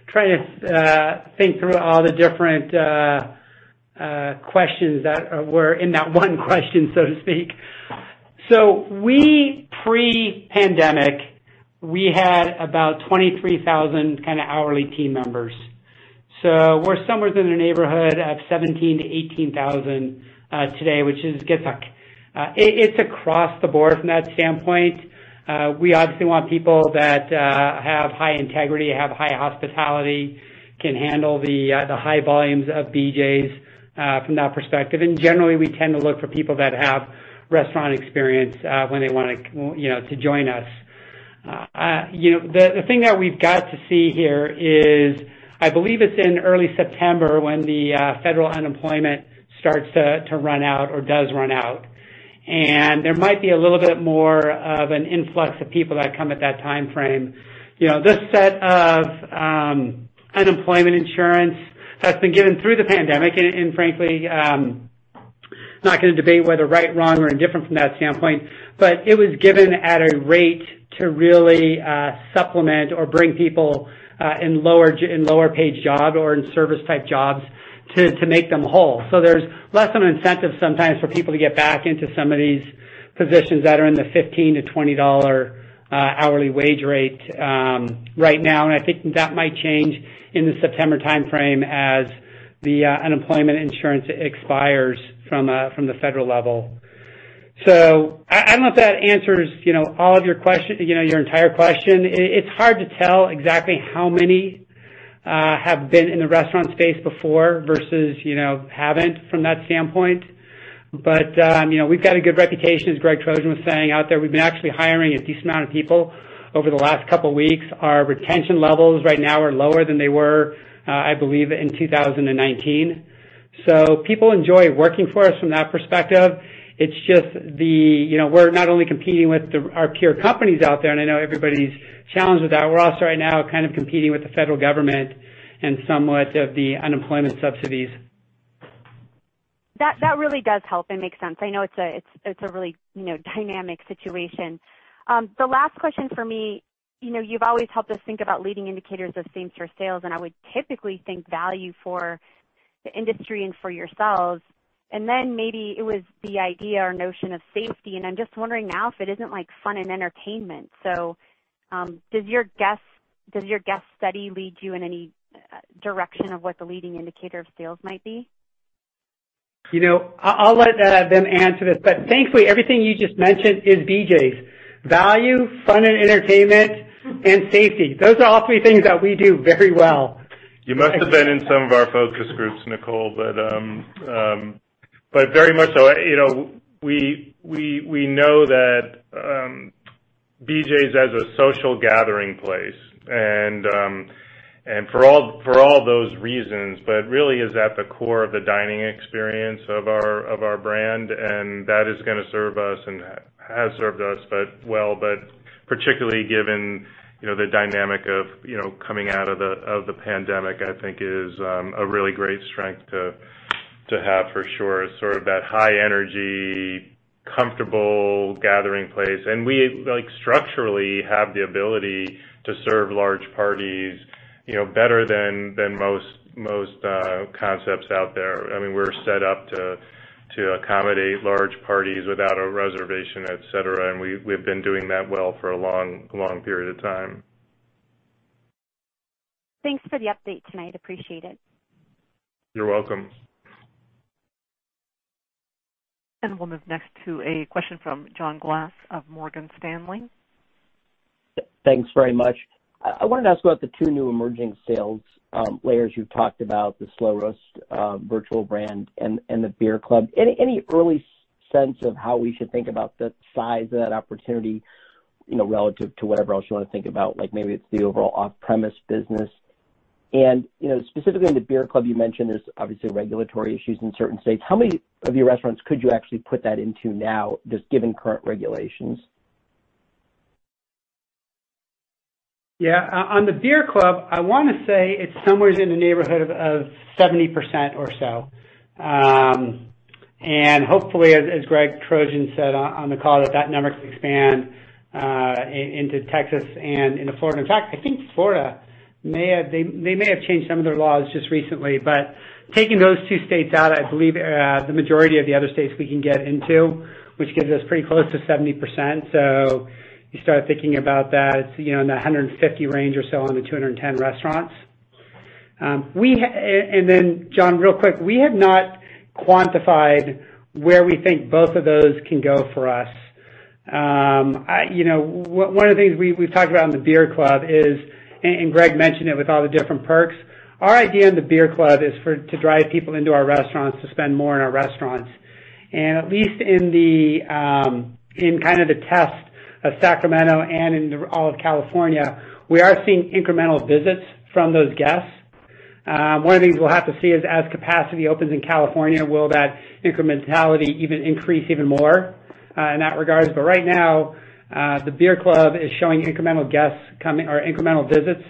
trying to think through all the different questions that were in that one question, so to speak. Pre-pandemic, we had about 23,000 kind of hourly team members. We're somewhere in the neighborhood of 17,000-18,000 today. It's across the board from that standpoint. We obviously want people that have high integrity, have high hospitality, can handle the high volumes of BJ's from that perspective, and generally, we tend to look for people that have restaurant experience when they want to join us. The thing that we've got to see here is, I believe it's in early September when the federal unemployment starts to run out or does run out. There might be a little bit more of an influx of people that come at that timeframe. This set of unemployment insurance that's been given through the pandemic, and frankly, I'm not going to debate whether right, wrong or indifferent from that standpoint, but it was given at a rate to really supplement or bring people in lower paid jobs or in service type jobs to make them whole. There's less of an incentive sometimes for people to get back into some of these positions that are in the $15-$20 hourly wage rate right now, and I think that might change in the September timeframe as the unemployment insurance expires from the federal level. I don't know if that answers your entire question. It's hard to tell exactly how many have been in the restaurant space before versus haven't from that standpoint. We've got a good reputation, as Greg Trojan was saying out there. We've been actually hiring a decent amount of people over the last couple of weeks. Our retention levels right now are lower than they were, I believe, in 2019. People enjoy working for us from that perspective. It's just we're not only competing with our peer companies out there, and I know everybody's challenged with that. We're also right now kind of competing with the federal government and somewhat of the unemployment subsidies. That really does help and makes sense. I know it's a really dynamic situation. The last question for me, you've always helped us think about leading indicators of same-store sales, and I would typically think value for the industry and for yourselves. Maybe it was the idea or notion of safety, and I'm just wondering now if it isn't like fun and entertainment. Does your guest study lead you in any direction of what the leading indicator of sales might be? I'll let them answer this. Thankfully, everything you just mentioned is BJ's. Value, fun, and entertainment, and safety. Those are all three things that we do very well. You must have been in some of our focus groups, Nicole. Very much so. We know that BJ's as a social gathering place, and for all those reasons. Really is at the core of the dining experience of our brand, and that is going to serve us and has served us well, particularly given the dynamic of coming out of the pandemic, I think is a really great strength to have, for sure. Sort of that high energy, comfortable gathering place. We structurally have the ability to serve large parties better than most concepts out there. We're set up to accommodate large parties without a reservation, et cetera, and we've been doing that well for a long period of time. Thanks for the update tonight. Appreciate it. You're welcome. We'll move next to a question from John Glass of Morgan Stanley. Thanks very much. I wanted to ask about the two new emerging sales layers you've talked about, the Slo Roast virtual brand and the Beer Club. Any early sense of how we should think about the size of that opportunity relative to whatever else you want to think about? Maybe it's the overall off-premise business. Specifically in the Beer Club, you mentioned there's obviously regulatory issues in certain states. How many of your restaurants could you actually put that into now, just given current regulations? Yeah. On the Beer Club, I want to say it's somewhere in the neighborhood of 70% or so. Hopefully, as Greg Trojan said on the call, that number can expand into Texas and into Florida. In fact, I think Florida may have changed some of their laws just recently. Taking those two states out, I believe the majority of the other states we can get into, which gives us pretty close to 70%. You start thinking about that, it's in the 150 range or so on the 210 restaurants. Then John, real quick, we have not quantified where we think both of those can go for us. One of the things we've talked about in the Beer Club is, Greg mentioned it with all the different perks, our idea in the Beer Club is to drive people into our restaurants to spend more in our restaurants. At least in the test of Sacramento and in all of California, we are seeing incremental visits from those guests. One of the things we'll have to see is as capacity opens in California, will that incrementality even increase even more in that regard? Right now, the Beer Club is showing incremental visits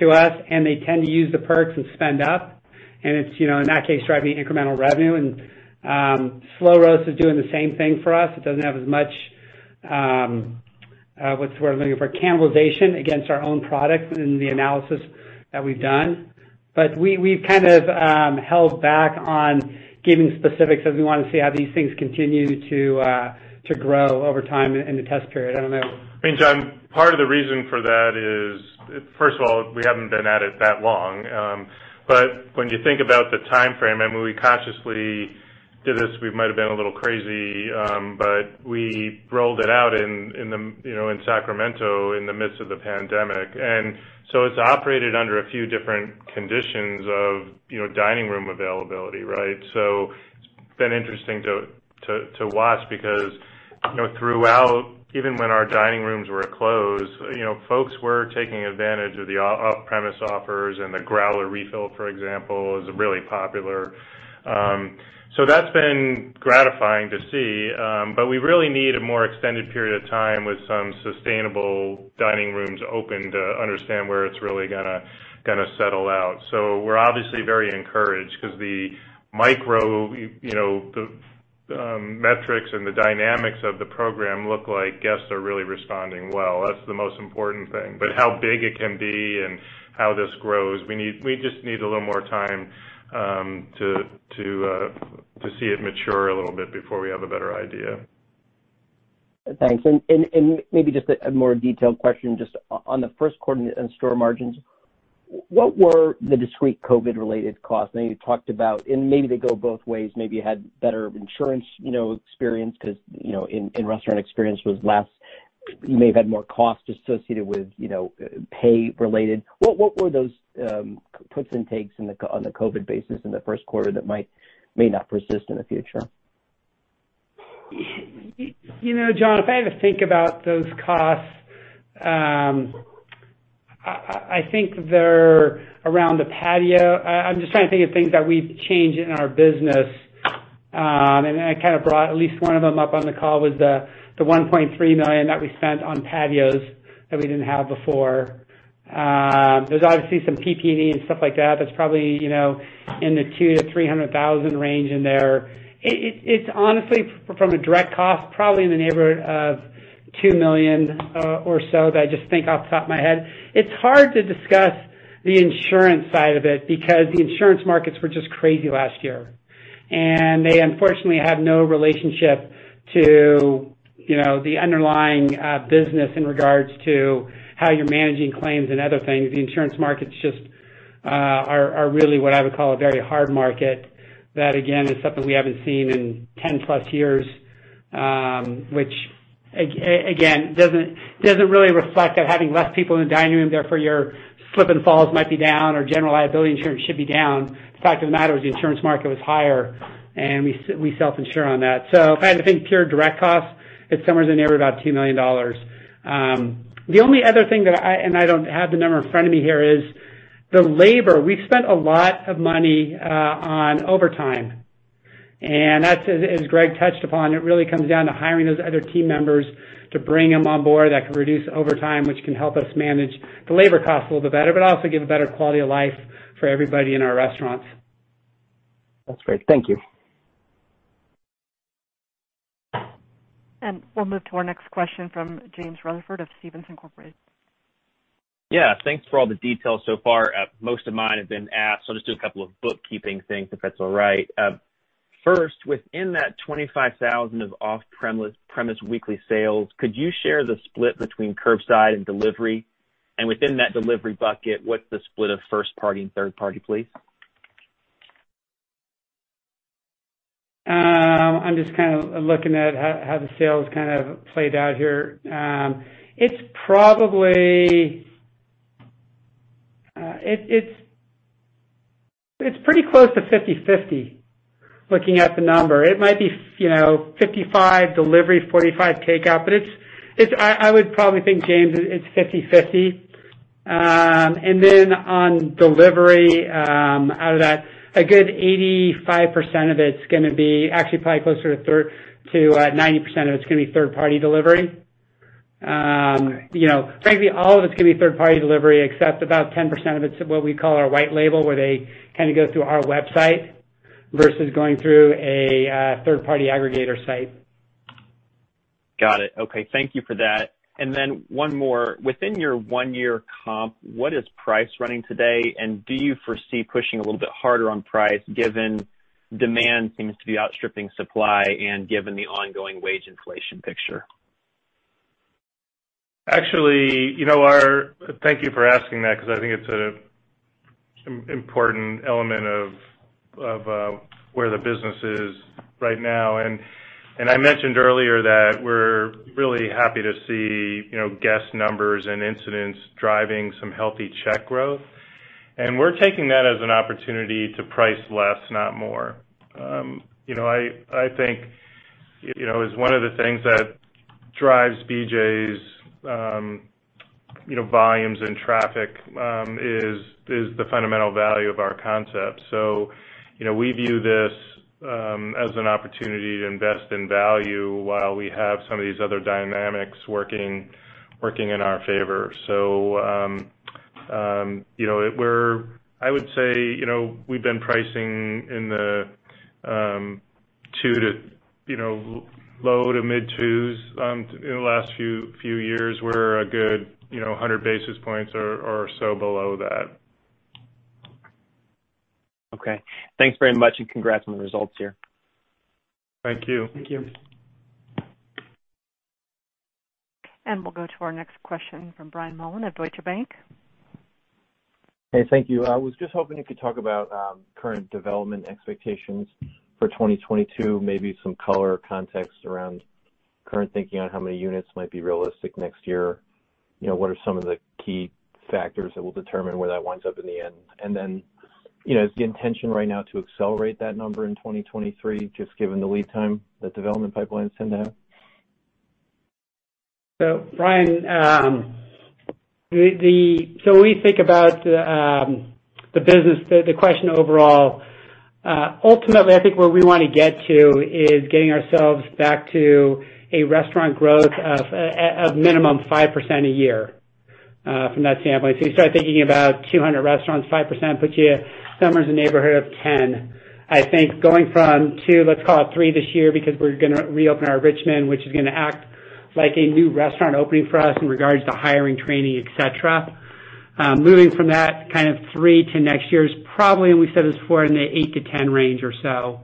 to us, and they tend to use the perks and spend up. It's, in that case, driving incremental revenue. Slo Roast is doing the same thing for us. It doesn't have as much, what's the word I'm looking for? Cannibalization against our own product in the analysis that we've done. We've kind of held back on giving specifics as we want to see how these things continue to grow over time in the test period. I don't know. I mean, John, part of the reason for that is, first of all, we haven't been at it that long. When you think about the timeframe, and when we consciously did this, we might've been a little crazy, but we rolled it out in Sacramento in the midst of the pandemic. It's operated under a few different conditions of dining room availability, right? It's been interesting to watch because throughout, even when our dining rooms were closed, folks were taking advantage of the off-premise offers and the growler refill, for example, is really popular. That's been gratifying to see. We really need a more extended period of time with some sustainable dining rooms open to understand where it's really going to settle out. We're obviously very encouraged because the metrics and the dynamics of the program look like guests are really responding well. That's the most important thing. How big it can be and how this grows, we just need a little more time to see it mature a little bit before we have a better idea. Thanks. Maybe just a more detailed question, just on the first quarter and store margins, what were the discrete COVID related costs? I know you talked about, maybe they go both ways. Maybe you had better insurance experience because in restaurant experience was less. You may have had more costs associated with pay related. What were those puts and takes on the COVID basis in the first quarter that may not persist in the future? John, if I had to think about those costs, I think they're around the patio. I'm just trying to think of things that we've changed in our business. I kind of brought at least one of them up on the call was the $1.3 million that we spent on patios that we didn't have before. There's obviously some PPE and stuff like that's probably in the $200,000-$300,000 range in there. It's honestly, from a direct cost, probably in the neighborhood of $2 million or so that I just think off the top of my head. It's hard to discuss the insurance side of it because the insurance markets were just crazy last year, and they unfortunately have no relationship to the underlying business in regards to how you're managing claims and other things, the insurance markets just are really what I would call a very hard market. That again, is something we haven't seen in 10+ years, which again, doesn't really reflect that having less people in the dining room, therefore your slip and falls might be down or general liability insurance should be down. The fact of the matter was the insurance market was higher and we self-insure on that. If I had to think pure direct costs, it's somewhere in the neighborhood about $2 million. The only other thing that I, and I don't have the number in front of me here, is the labor. We've spent a lot of money on overtime, and that's as Greg touched upon, it really comes down to hiring those other team members to bring them on board that can reduce overtime, which can help us manage the labor costs a little bit better, but also give a better quality of life for everybody in our restaurants. That's great. Thank you. We'll move to our next question from James Rutherford of Stephens Inc. Yeah. Thanks for all the details so far. Most of mine have been asked. I'll just do a couple of bookkeeping things, if that's all right. First, within that $25,000 of off-premise weekly sales, could you share the split between curbside and delivery? Within that delivery bucket, what's the split of first party and third party, please? I'm just kind of looking at how the sales kind of played out here. It's pretty close to 50/50 looking at the number. It might be 55 delivery, 45 takeout, but I would probably think, James, it's 50/50. On delivery, out of that, a good 85% of it is going to be actually probably closer to 90% of it is going to be third party delivery. Frankly, all of it's going to be third party delivery, except about 10% of it's what we call our white label, where they kind of go through our website versus going through a third party aggregator site. Got it. Okay. Thank you for that. One more. Within your one year comp, what is price running today? Do you foresee pushing a little bit harder on price given demand seems to be outstripping supply and given the ongoing wage inflation picture? Actually, thank you for asking that because I think it's an important element of where the business is right now. I mentioned earlier that we're really happy to see guest numbers and incidents driving some healthy check growth. We're taking that as an opportunity to price less, not more. I think as one of the things that drives BJ's volumes and traffic, is the fundamental value of our concept. We view this as an opportunity to invest in value while we have some of these other dynamics working in our favor. I would say, we've been pricing in the low to mid 2s in the last few years. We're a good 100 basis points or so below that. Okay. Thanks very much, and congrats on the results here. Thank you. Thank you. We'll go to our next question from Brian Mullan of Deutsche Bank. Hey, thank you. I was just hoping you could talk about current development expectations for 2022, maybe some color or context around current thinking on how many units might be realistic next year. What are some of the key factors that will determine where that winds up in the end? Then, is the intention right now to accelerate that number in 2023, just given the lead time that development pipelines tend to have? Brian, when we think about the business, the question overall, ultimately, I think where we want to get to is getting ourselves back to a restaurant growth of minimum 5% a year from that standpoint. You start thinking about 200 restaurants, 5% puts you somewhere in the neighborhood of 10. I think going from two, let's call it three this year because we're going to reopen our Richmond, which is going to act like a new restaurant opening for us in regards to hiring, training, et cetera. Moving from that kind of three to next year is probably, and we've said this before, in the 8-10 range or so,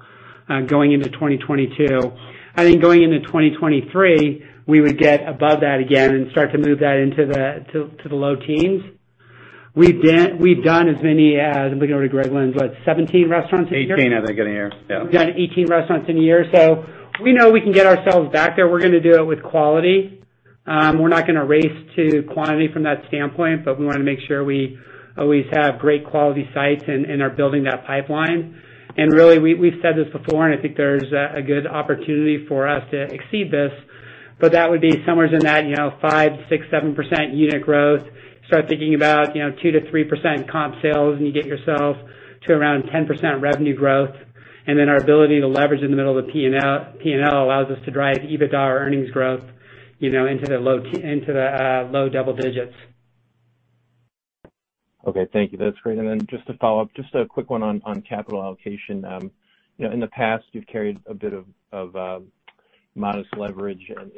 going into 2022. I think going into 2023, we would get above that again and start to move that into the low teens. We've done as many as, I'm looking over to Greg, what, 17 restaurants a year? 18 as of getting here. Yeah. We've done 18 restaurants in a year. We know we can get ourselves back there. We're going to do it with quality. We're not going to race to quantity from that standpoint, but we want to make sure we always have great quality sites and are building that pipeline. Really, we've said this before, and I think there's a good opportunity for us to exceed this. That would be somewhere in that, 5%, 6%, 7% unit growth. Start thinking about 2%-3% comp sales, and you get yourself to around 10% revenue growth. Our ability to leverage in the middle of the P&L allows us to drive EBITDA or earnings growth into the low double digits. Okay, thank you. That's great. Just to follow up, just a quick one on capital allocation. In the past, you've carried a bit of modest leverage and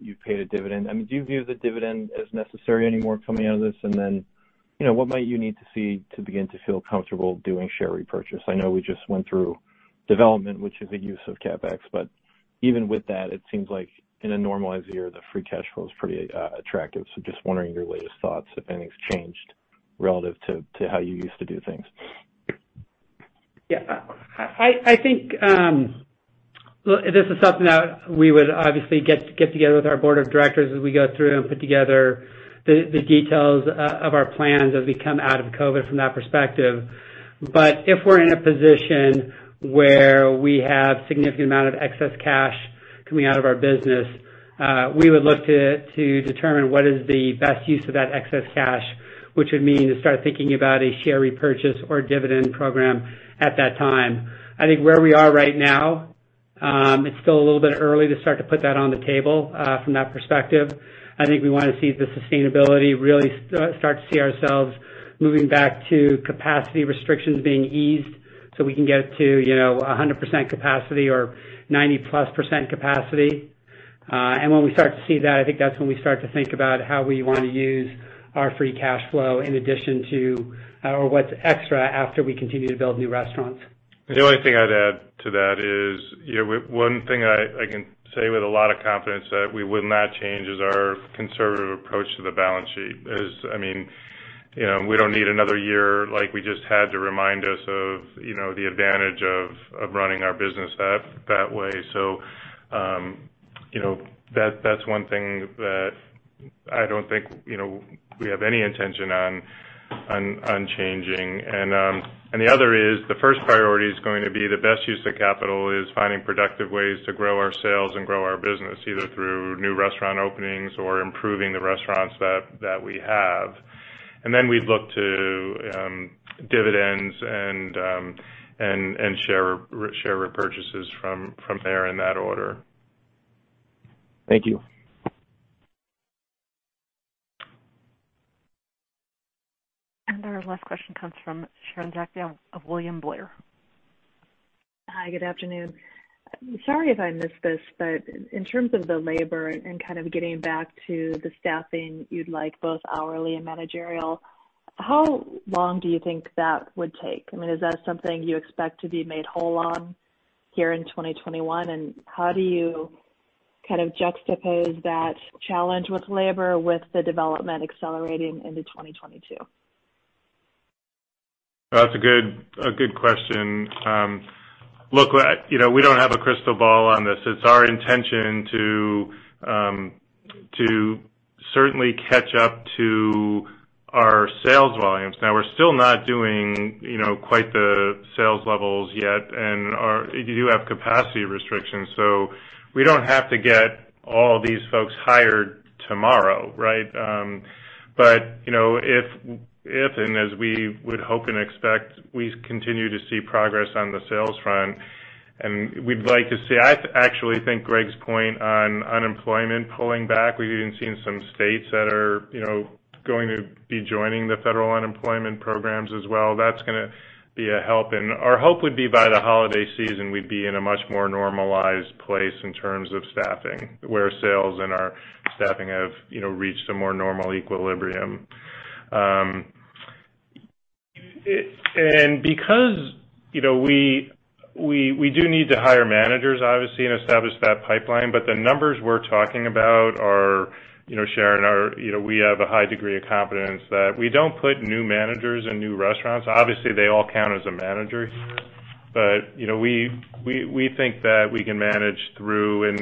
you've paid a dividend. I mean, do you view the dividend as necessary anymore coming out of this? What might you need to see to begin to feel comfortable doing share repurchase? I know we just went through development, which is a use of CapEx, but even with that, it seems like in a normalized year, the free cash flow is pretty attractive. Just wondering your latest thoughts, if anything's changed relative to how you used to do things. Yeah. I think this is something that we would obviously get together with our board of directors as we go through and put together the details of our plans as we come out of COVID from that perspective. If we're in a position where we have significant amount of excess cash coming out of our business, we would look to determine what is the best use of that excess cash, which would mean to start thinking about a share repurchase or dividend program at that time. I think where we are right now, it's still a little bit early to start to put that on the table, from that perspective. I think we want to see the sustainability, really start to see ourselves moving back to capacity restrictions being eased so we can get to 100% capacity or 90%+ capacity. When we start to see that, I think that's when we start to think about how we want to use our free cash flow in addition to, or what's extra after we continue to build new restaurants. The only thing I'd add to that is, one thing I can say with a lot of confidence that we would not change is our conservative approach to the balance sheet. We don't need another year like we just had to remind us of the advantage of running our business that way. That's one thing that I don't think we have any intention on changing. The other is, the first priority is going to be the best use of capital is finding productive ways to grow our sales and grow our business, either through new restaurant openings or improving the restaurants that we have. Then we'd look to dividends and share repurchases from there in that order. Thank you. Our last question comes from Sharon Zackfia of William Blair. Hi, good afternoon. Sorry if I missed this, in terms of the labor and kind of getting back to the staffing you'd like both hourly and managerial, how long do you think that would take? Is that something you expect to be made whole on here in 2021, and how do you kind of juxtapose that challenge with labor with the development accelerating into 2022? That's a good question. Look, we don't have a crystal ball on this. It's our intention to certainly catch up to our sales volumes. Now, we're still not doing quite the sales levels yet and you do have capacity restrictions, so we don't have to get all these folks hired tomorrow, right? If, and as we would hope and expect, we continue to see progress on the sales front, and we'd like to see, I actually think Greg's point on unemployment pulling back, we've even seen some states that are going to be joining the federal unemployment programs as well. That's going to be a help. Our hope would be by the holiday season, we'd be in a much more normalized place in terms of staffing, where sales and our staffing have reached a more normal equilibrium. Because we do need to hire managers, obviously, and establish that pipeline, but the numbers we're talking about are, Sharon, we have a high degree of confidence that we don't put new managers in new restaurants. Obviously, they all count as a manager, but we think that we can manage through and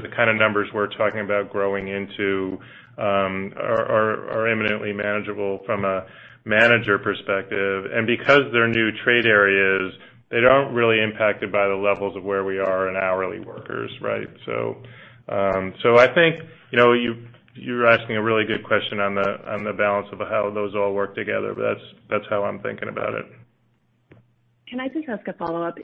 the kind of numbers we're talking about growing into are imminently manageable from a manager perspective. Because they're new trade areas, they aren't really impacted by the levels of where we are in hourly workers, right? I think you're asking a really good question on the balance of how those all work together, but that's how I'm thinking about it. Can I just ask a follow-up?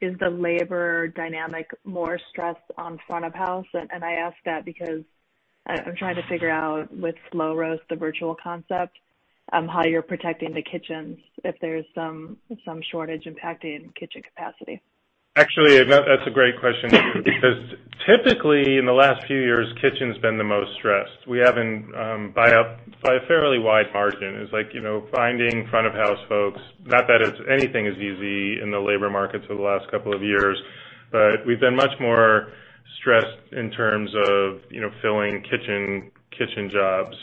Is the labor dynamic more stressed on front of house? I ask that because I'm trying to figure out with Slo Roast, the virtual concept, how you're protecting the kitchens if there's some shortage impacting kitchen capacity. Actually, that's a great question, too, because typically, in the last few years, kitchens been the most stressed. We haven't, by a fairly wide margin. It's like finding front of house folks, not that anything is easy in the labor markets for the last couple of years, but we've been much more stressed in terms of filling kitchen jobs.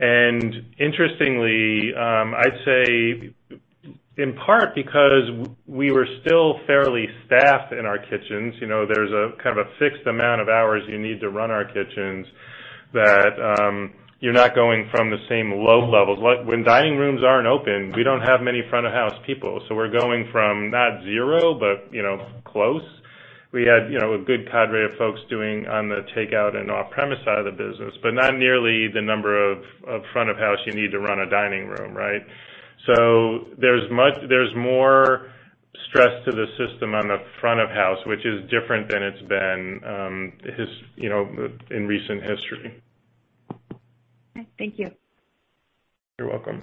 Interestingly, I'd say in part because we were still fairly staffed in our kitchens, there's a kind of a fixed amount of hours you need to run our kitchens that you're not going from the same low levels. When dining rooms aren't open, we don't have many front of house people. We're going from not zero, but close. We had a good cadre of folks doing on the takeout and off-premise side of the business, but not nearly the number of front of house you need to run a dining room, right? There's more stress to the system on the front of house, which is different than it's been in recent history. Okay, thank you. You're welcome.